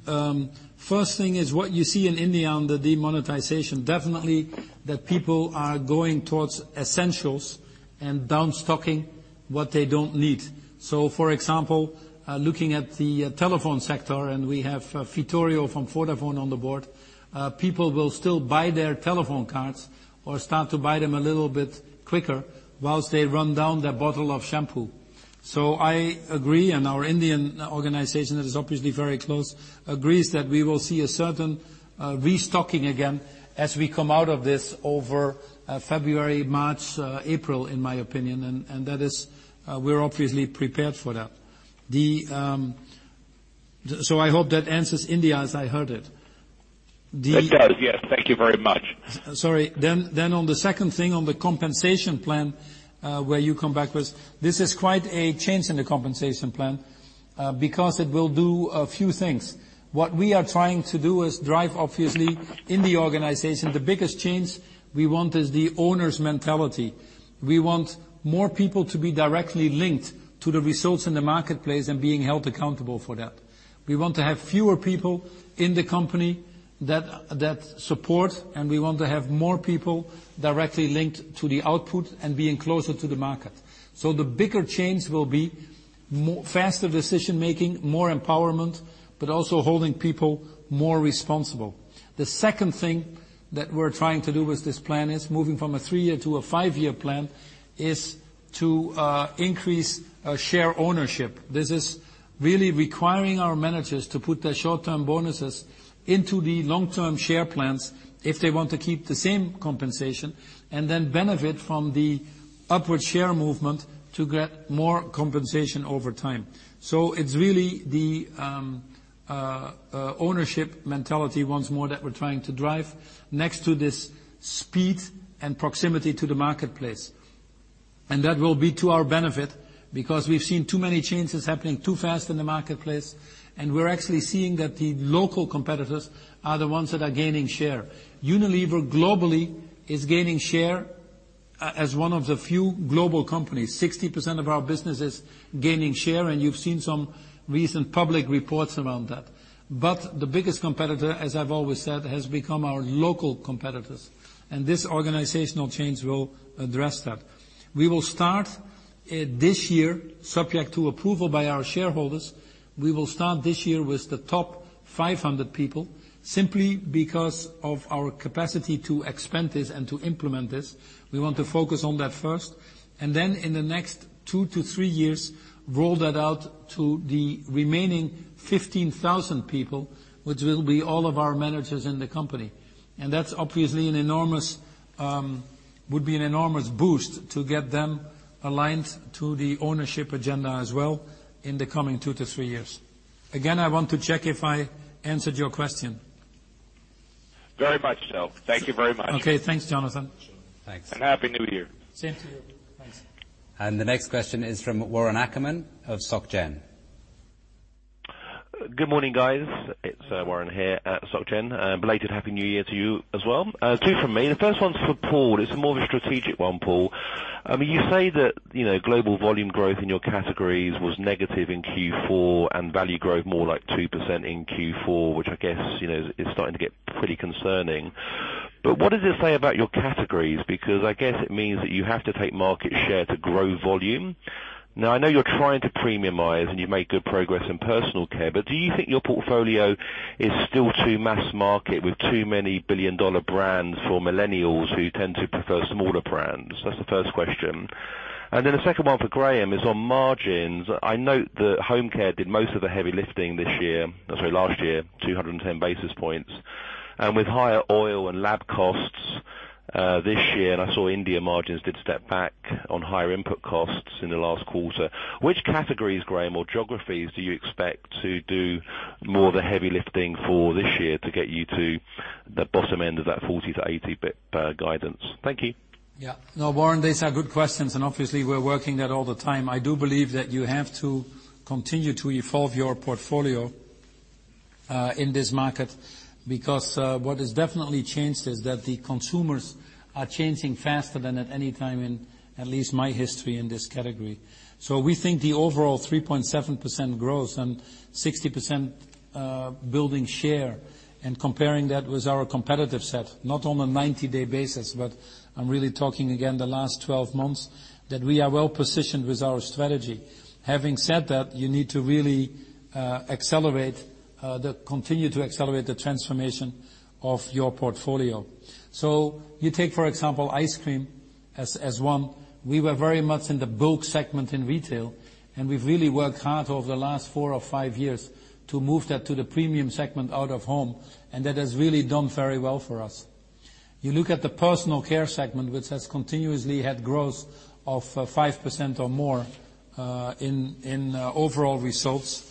first thing is what you see in India on the demonetization, definitely that people are going towards essentials and down stocking what they don't need. For example, looking at the telephone sector, and we have Vittorio from Vodafone on the board, people will still buy their telephone cards or start to buy them a little bit quicker whilst they run down their bottle of shampoo. I agree, and our Indian organization, that is obviously very close, agrees that we will see a certain restocking again as we come out of this over February, March, April, in my opinion, and we're obviously prepared for that. I hope that answers India as I heard it. The- It does, yes. Thank you very much. Sorry. On the second thing on the compensation plan, where you come back with, this is quite a change in the compensation plan because it will do a few things. What we are trying to do is drive, obviously, in the organization. The biggest change we want is the owner's mentality. We want more people to be directly linked to the results in the marketplace and being held accountable for that. We want to have fewer people in the company that support, and we want to have more people directly linked to the output and being closer to the market. The bigger change will be faster decision-making, more empowerment, but also holding people more responsible. The second thing that we're trying to do with this plan is moving from a three-year to a five-year plan is to increase share ownership. This is really requiring our managers to put their short-term bonuses into the long-term share plans if they want to keep the same compensation, and then benefit from the upward share movement to get more compensation over time. It's really the ownership mentality once more that we're trying to drive next to this speed and proximity to the marketplace. That will be to our benefit because we've seen too many changes happening too fast in the marketplace, and we're actually seeing that the local competitors are the ones that are gaining share. Unilever globally is gaining share as one of the few global companies. 60% of our business is gaining share, and you've seen some recent public reports around that. The biggest competitor, as I've always said, has become our local competitors, and this organizational change will address that. This year, subject to approval by our shareholders, we will start this year with the top 500 people simply because of our capacity to expand this and to implement this. We want to focus on that first, then in the next 2 to 3 years, roll that out to the remaining 15,000 people, which will be all of our managers in the company. That obviously would be an enormous boost to get them aligned to the ownership agenda as well in the coming 2 to 3 years. Again, I want to check if I answered your question. Very much so. Thank you very much. Thanks, Jonathan. Happy New Year. Same to you. Thanks. The next question is from Warren Ackerman of SocGen. Good morning, guys. It's Warren here at SocGen. A belated Happy New Year to you as well. Two from me, the first one's for Paul. It's more of a strategic one, Paul. You say that global volume growth in your categories was negative in Q4 and value growth more like 2% in Q4, which I guess is starting to get pretty concerning. What does it say about your categories? Because I guess it means that you have to take market share to grow volume. Now, I know you're trying to premiumize, you've made good progress in personal care, but do you think your portfolio is still too mass market with too many billion-dollar brands for millennials who tend to prefer smaller brands? That's the first question. Then the second one for Graeme is on margins. I note that home care did most of the heavy lifting last year, 210 basis points. With higher oil and LAB costs this year, I saw India margins did step back on higher input costs in the last quarter. Which categories, Graeme, or geographies do you expect to do more of the heavy lifting for this year to get you to the bottom end of that 40 to 80 BP guidance? Thank you. No, Warren, these are good questions. Obviously, we're working that all the time. I do believe that you have to continue to evolve your portfolio in this market because what has definitely changed is that the consumers are changing faster than at any time in at least my history in this category. We think the overall 3.7% growth and 60% building share, comparing that with our competitive set, not on a 90-day basis, but I'm really talking again the last 12 months, that we are well positioned with our strategy. Having said that, you need to really continue to accelerate the transformation of your portfolio. You take, for example, ice cream as one. We were very much in the bulk segment in retail. We've really worked hard over the last four or five years to move that to the premium segment out of home. That has really done very well for us. You look at the personal care segment, which has continuously had growth of 5% or more in overall results.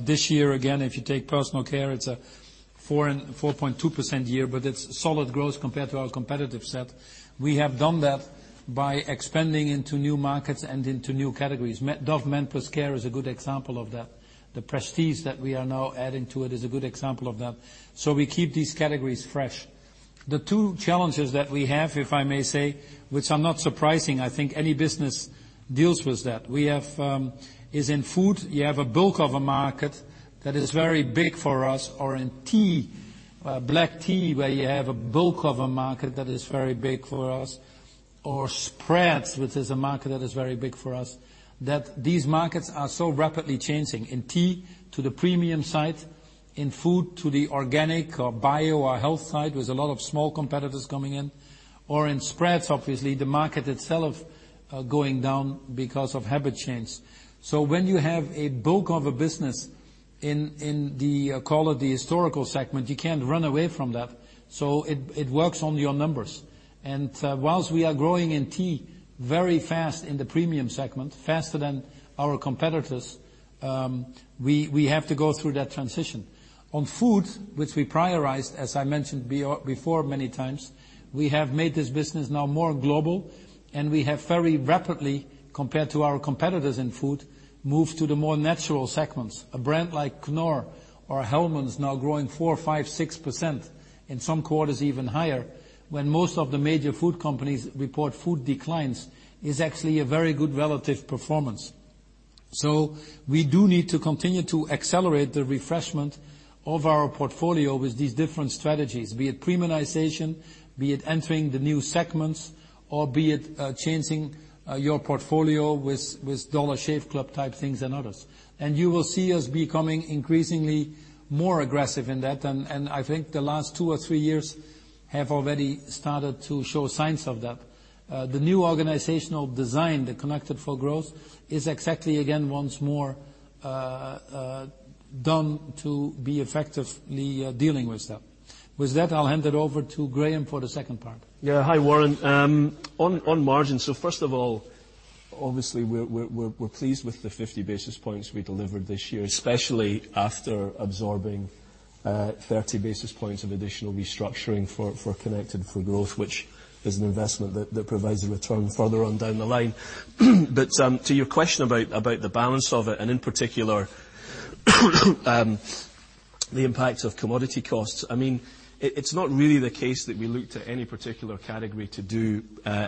This year, again, if you take personal care, it's a 4.2% year. It's solid growth compared to our competitive set. We have done that by expanding into new markets and into new categories. Dove Men+Care is a good example of that. The prestige that we are now adding to it is a good example of that. We keep these categories fresh. The two challenges that we have, if I may say, which are not surprising, I think any business deals with that, is in food, you have a bulk of a market that is very big for us, or in black tea, where you have a bulk of a market that is very big for us, or spreads, which is a market that is very big for us, that these markets are so rapidly changing. In tea to the premium side, in food to the organic or bio or health side, with a lot of small competitors coming in, or in spreads, obviously, the market itself going down because of habit change. When you have a bulk of a business in call it the historical segment, you can't run away from that. It works on your numbers. Whilst we are growing in tea very fast in the premium segment, faster than our competitors, we have to go through that transition. On food, which we prioritized, as I mentioned before many times, we have made this business now more global. We have very rapidly, compared to our competitors in food, moved to the more natural segments. A brand like Knorr or Hellmann's now growing 4%, 5%, 6%, in some quarters even higher, when most of the major food companies report food declines, is actually a very good relative performance. We do need to continue to accelerate the refreshment of our portfolio with these different strategies, be it premiumization, be it entering the new segments, or be it changing your portfolio with Dollar Shave Club type things and others. You will see us becoming increasingly more aggressive in that, and I think the last two or three years have already started to show signs of that. The new organizational design, the Connected 4 Growth, is exactly again, once more, done to be effectively dealing with that. With that, I will hand it over to Graeme for the second part. Yeah. Hi, Warren. On margin, first of all, obviously, we are pleased with the 50 basis points we delivered this year, especially after absorbing 30 basis points of additional restructuring for Connected 4 Growth, which is an investment that provides a return further on down the line. To your question about the balance of it, and in particular the impact of commodity costs, it is not really the case that we looked at any particular category to do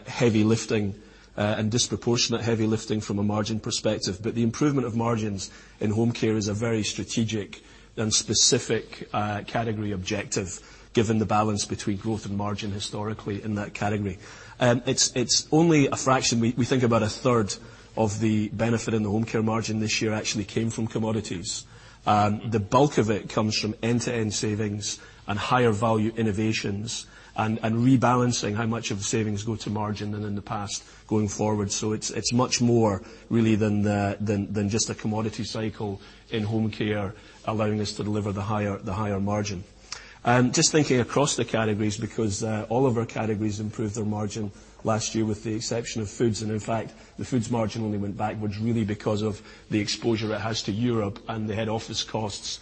heavy lifting and disproportionate heavy lifting from a margin perspective, but the improvement of margins in home care is a very strategic and specific category objective, given the balance between growth and margin historically in that category. It is only a fraction. We think about a third of the benefit in the home care margin this year actually came from commodities. The bulk of it comes from end-to-end savings and higher value innovations, and rebalancing how much of the savings go to margin than in the past going forward. It is much more, really, than just a commodity cycle in home care allowing us to deliver the higher margin. Just thinking across the categories, because all of our categories improved their margin last year with the exception of foods. In fact, the foods margin only went backwards really because of the exposure it has to Europe and the head office costs,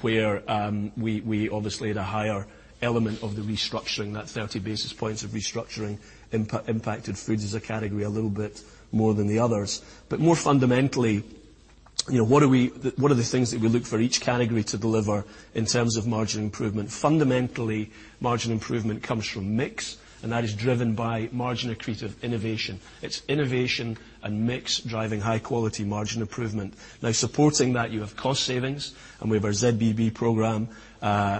where we obviously had a higher element of the restructuring. That 30 basis points of restructuring impacted foods as a category a little bit more than the others. More fundamentally, what are the things that we look for each category to deliver in terms of margin improvement? Fundamentally, margin improvement comes from mix, and that is driven by margin accretive innovation. It is innovation and mix driving high quality margin improvement. Now, supporting that, you have cost savings, and we have our ZBB program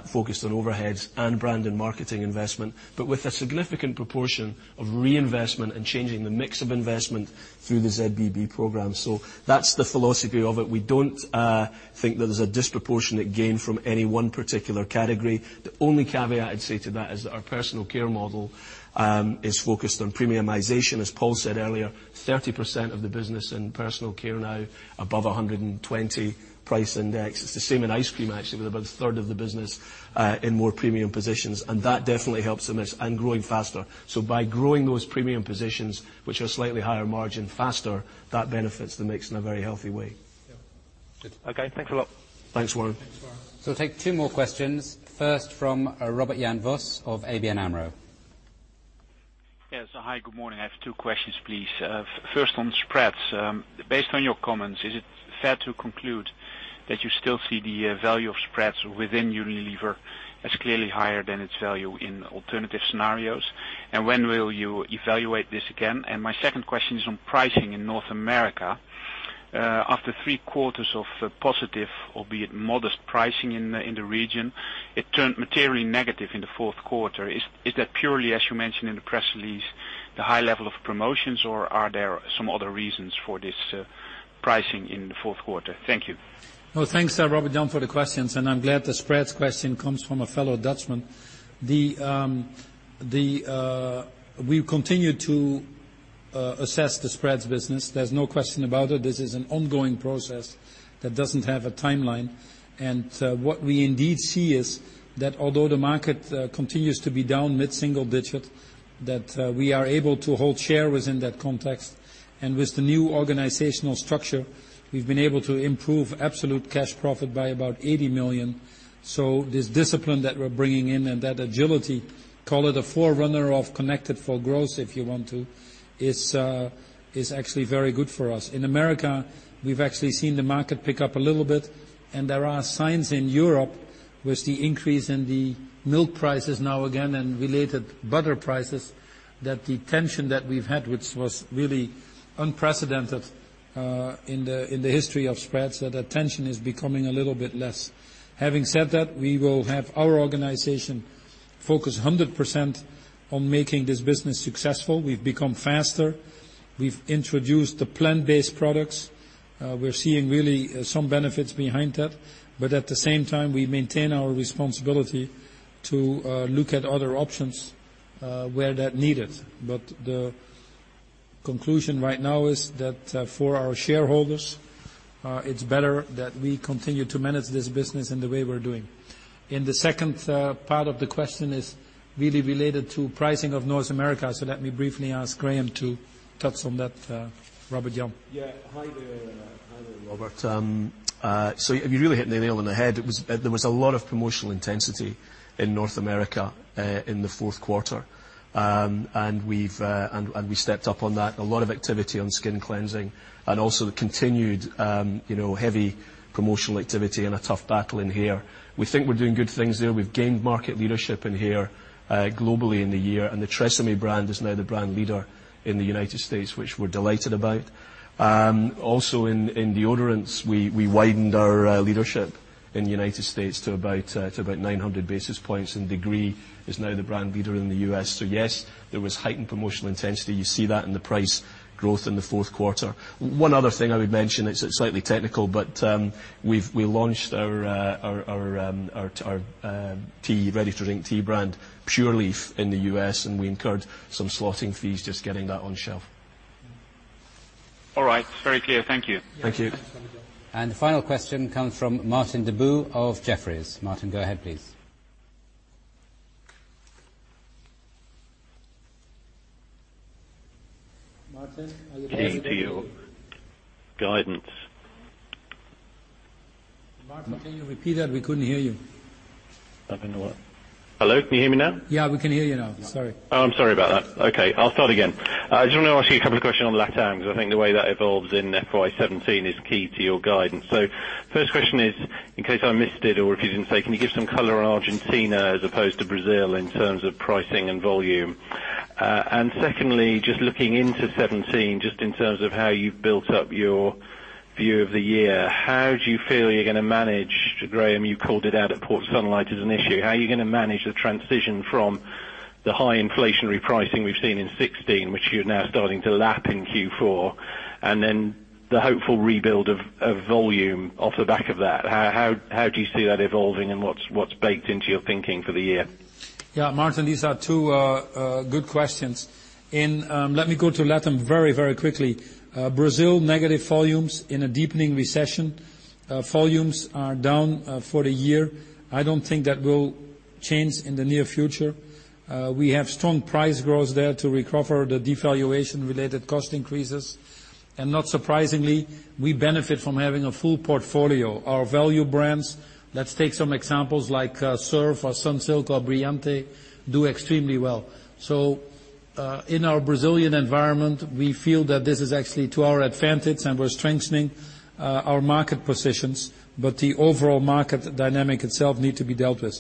focused on overheads and brand and marketing investment, but with a significant proportion of reinvestment and changing the mix of investment through the ZBB program. That is the philosophy of it. We do not think that there is a disproportionate gain from any one particular category. The only caveat I would say to that is that our personal care model is focused on premiumization. As Paul said earlier, 30% of the business in personal care now above 120 price index. It is the same in ice cream, actually, with about a third of the business in more premium positions, and that definitely helps the mix, and growing faster. By growing those premium positions, which are slightly higher margin faster, that benefits the mix in a very healthy way. Yeah. Good. Okay, thanks a lot. Thanks, Warren. Thanks, Warren. We'll take two more questions, first from Robert Jan Vos of ABN AMRO. Yes. Hi, good morning. I have two questions, please. First, on spreads. Based on your comments, is it fair to conclude that you still see the value of spreads within Unilever as clearly higher than its value in alternative scenarios? When will you evaluate this again? My second question is on pricing in North America. After three quarters of positive, albeit modest pricing in the region, it turned materially negative in the fourth quarter. Is that purely, as you mentioned in the press release, the high level of promotions, or are there some other reasons for this pricing in the fourth quarter? Thank you. Well, thanks, Robert Jan, for the questions, I'm glad the spreads question comes from a fellow Dutchman. We continue to assess the spreads business. There's no question about it. This is an ongoing process that doesn't have a timeline. What we indeed see is that although the market continues to be down mid-single digit, that we are able to hold share within that context. With the new organizational structure, we've been able to improve absolute cash profit by about $80 million. This discipline that we're bringing in and that agility, call it a forerunner of Connected for Growth, if you want to, is actually very good for us. In America, we've actually seen the market pick up a little bit, there are signs in Europe with the increase in the milk prices now again and related butter prices, that the tension that we've had, which was really unprecedented in the history of spreads, that that tension is becoming a little bit less. Having said that, we will have our organization focused 100% on making this business successful. We've become faster. We've introduced the plant-based products. We're seeing really some benefits behind that. At the same time, we maintain our responsibility to look at other options where they're needed. The conclusion right now is that for our shareholders, it's better that we continue to manage this business in the way we're doing. The second part of the question is really related to pricing of North America, let me briefly ask Graeme to touch on that, Robert Jan. Yeah. Hi there, Robert. You're really hitting the nail on the head. There was a lot of promotional intensity in North America in the fourth quarter. We stepped up on that. A lot of activity on skin cleansing and also the continued heavy promotional activity and a tough battle in hair. We think we're doing good things there. We've gained market leadership in hair globally in the year, and the TRESemmé brand is now the brand leader in the U.S., which we're delighted about. Also in deodorants, we widened our leadership in the U.S. to about 900 basis points, and Degree is now the brand leader in the U.S. Yes, there was heightened promotional intensity. You see that in the price growth in the fourth quarter. One other thing I would mention, it's slightly technical, but we launched our ready-to-drink tea brand, Pure Leaf, in the U.S., and we incurred some slotting fees just getting that on shelf. All right. Very clear. Thank you. Thank you. Thanks. The final question comes from Martin Deboo of Jefferies. Martin, go ahead, please. Martin, are you there? Can you give guidance? Martin, can you repeat that? We couldn't hear you. Hello, can you hear me now? Yeah, we can hear you now. Sorry. Oh, I'm sorry about that. Okay, I'll start again. I just want to ask you a couple of questions on LatAm, because I think the way that evolves in FY 2017 is key to your guidance. First question is, in case I missed it or if you didn't say, can you give some color on Argentina as opposed to Brazil in terms of pricing and volume? Secondly, just looking into 2017, just in terms of how you've built up your view of the year, how do you feel you're going to manage, to Graeme, you called it out at Port Sunlight as an issue, how are you going to manage the transition from the high inflationary pricing we've seen in 2016, which you're now starting to lap in Q4, and then the hopeful rebuild of volume off the back of that? How do you see that evolving and what's baked into your thinking for the year? Yeah, Martin, these are two good questions. Let me go to LatAm very, very quickly. Brazil, negative volumes in a deepening recession. Volumes are down for the year. I don't think that will change in the near future. We have strong price growth there to recover the devaluation-related cost increases. Not surprisingly, we benefit from having a full portfolio. Our value brands, let's take some examples like Surf or Sunsilk or Brilhante, do extremely well. In our Brazilian environment, we feel that this is actually to our advantage, and we're strengthening our market positions, but the overall market dynamic itself need to be dealt with.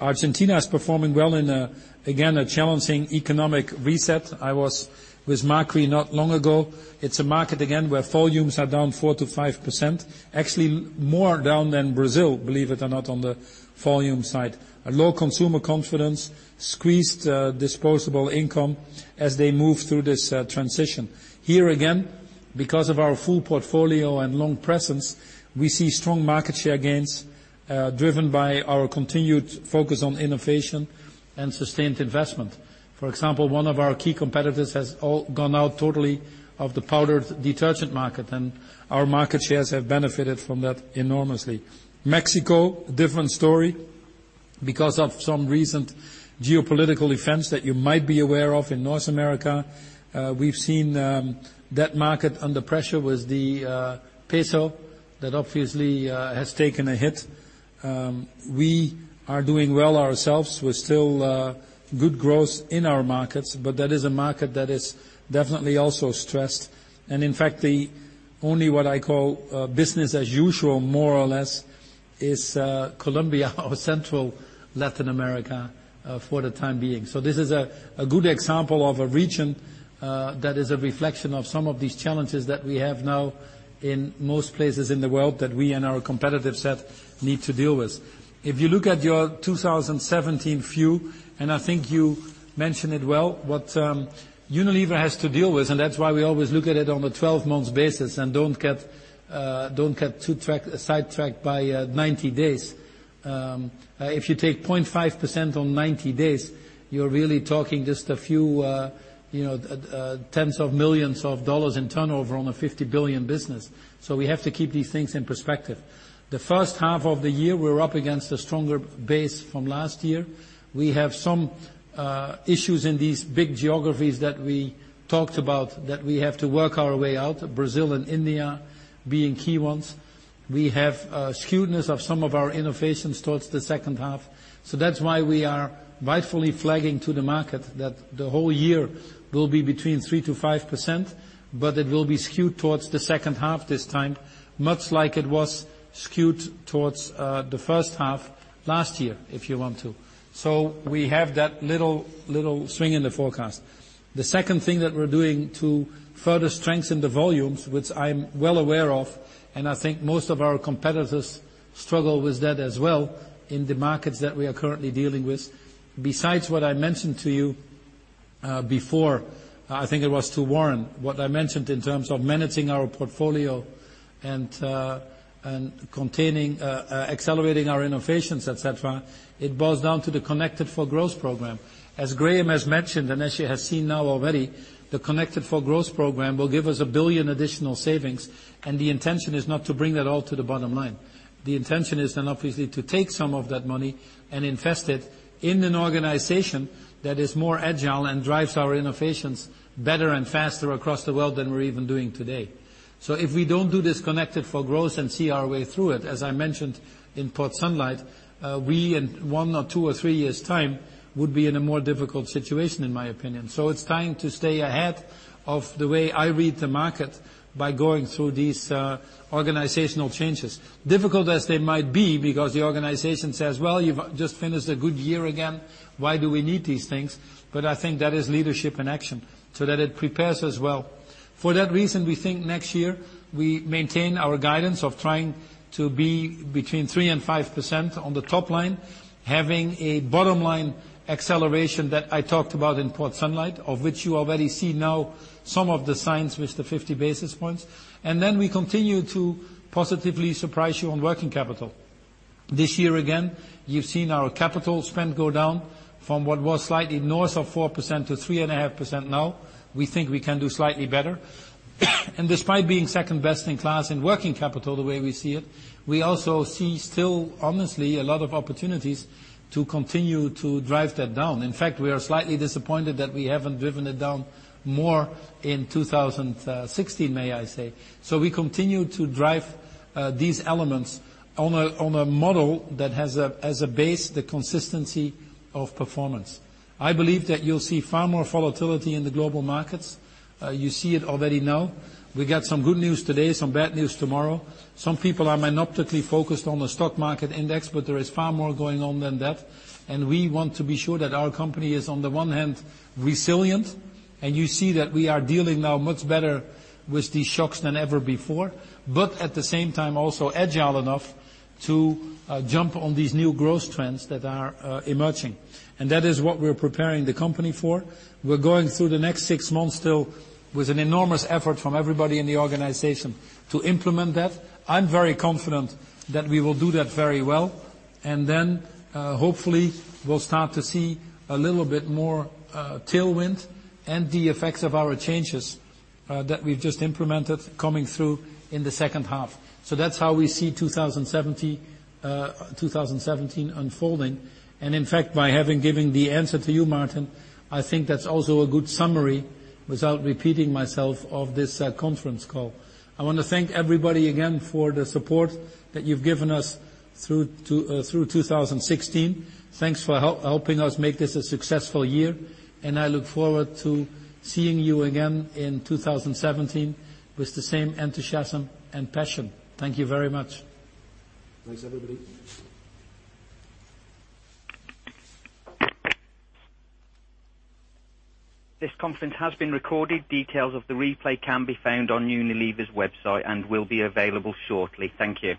Argentina is performing well in, again, a challenging economic reset. I was with Macri not long ago. It's a market, again, where volumes are down 4%-5%, actually more down than Brazil, believe it or not, on the volume side. Low consumer confidence, squeezed disposable income as they move through this transition. Here again, because of our full portfolio and long presence, we see strong market share gains driven by our continued focus on innovation and sustained investment. For example, one of our key competitors has gone out totally of the powdered detergent market, and our market shares have benefited from that enormously. Mexico, different story. Because of some recent geopolitical events that you might be aware of in North America, we've seen that market under pressure with the peso, that obviously has taken a hit. We are doing well ourselves with still good growth in our markets, but that is a market that is definitely also stressed. In fact, the only what I call business as usual more or less is Colombia or Central Latin America for the time being. This is a good example of a region that is a reflection of some of these challenges that we have now in most places in the world that we and our competitive set need to deal with. If you look at your 2017 view, I think you mentioned it well, what Unilever has to deal with. That's why we always look at it on a 12-months basis and don't get sidetracked by 90 days. If you take 0.5% on 90 days, you're really talking just a few tens of millions of dollars in turnover on a $50 billion business. We have to keep these things in perspective. The first half of the year, we're up against a stronger base from last year. We have some issues in these big geographies that we talked about that we have to work our way out, Brazil and India being key ones. We have a skewedness of some of our innovations towards the second half. That's why we are rightfully flagging to the market that the whole year will be between 3%-5%, but it will be skewed towards the second half this time, much like it was skewed towards the first half last year, if you want to. We have that little swing in the forecast. The second thing that we're doing to further strengthen the volumes, which I'm well aware of, and I think most of our competitors struggle with that as well in the markets that we are currently dealing with. Besides what I mentioned to you before, I think it was to Warren, what I mentioned in terms of managing our portfolio and containing, accelerating our innovations, et cetera, it boils down to the Connected 4 Growth program. As Graeme has mentioned, and as you have seen now already, the Connected 4 Growth program will give us 1 billion additional savings. The intention is not to bring that all to the bottom line. The intention is obviously to take some of that money and invest it in an organization that is more agile and drives our innovations better and faster across the world than we're even doing today. If we don't do this Connected 4 Growth and see our way through it, as I mentioned in Port Sunlight, we in one or two or three years' time would be in a more difficult situation, in my opinion. It's time to stay ahead of the way I read the market by going through these organizational changes. Difficult as they might be because the organization says, "Well, you've just finished a good year again. Why do we need these things?" I think that is leadership in action so that it prepares us well. For that reason, we think next year we maintain our guidance of trying to be between 3%-5% on the top line, having a bottom-line acceleration that I talked about in Port Sunlight, of which you already see now some of the signs with the 50 basis points. Then we continue to positively surprise you on working capital. This year again, you've seen our capital spend go down from what was slightly north of 4%-3.5% now. We think we can do slightly better. Despite being second best in class in working capital the way we see it, we also see still, honestly, a lot of opportunities to continue to drive that down. In fact, we are slightly disappointed that we haven't driven it down more in 2016, may I say. We continue to drive these elements on a model that has as a base the consistency of performance. I believe that you'll see far more volatility in the global markets. You see it already now. We got some good news today, some bad news tomorrow. Some people are myopically focused on the stock market index, but there is far more going on than that, and we want to be sure that our company is on the one hand resilient, and you see that we are dealing now much better with these shocks than ever before, but at the same time also agile enough to jump on these new growth trends that are emerging. That is what we're preparing the company for. We're going through the next six months still with an enormous effort from everybody in the organization to implement that. I'm very confident that we will do that very well, and hopefully we'll start to see a little bit more tailwind and the effects of our changes that we've just implemented coming through in the second half. That's how we see 2017 unfolding. In fact, by having given the answer to you, Martin, I think that's also a good summary without repeating myself of this conference call. I want to thank everybody again for the support that you've given us through 2016. Thanks for helping us make this a successful year, and I look forward to seeing you again in 2017 with the same enthusiasm and passion. Thank you very much. Thanks, everybody. This conference has been recorded. Details of the replay can be found on Unilever's website and will be available shortly. Thank you.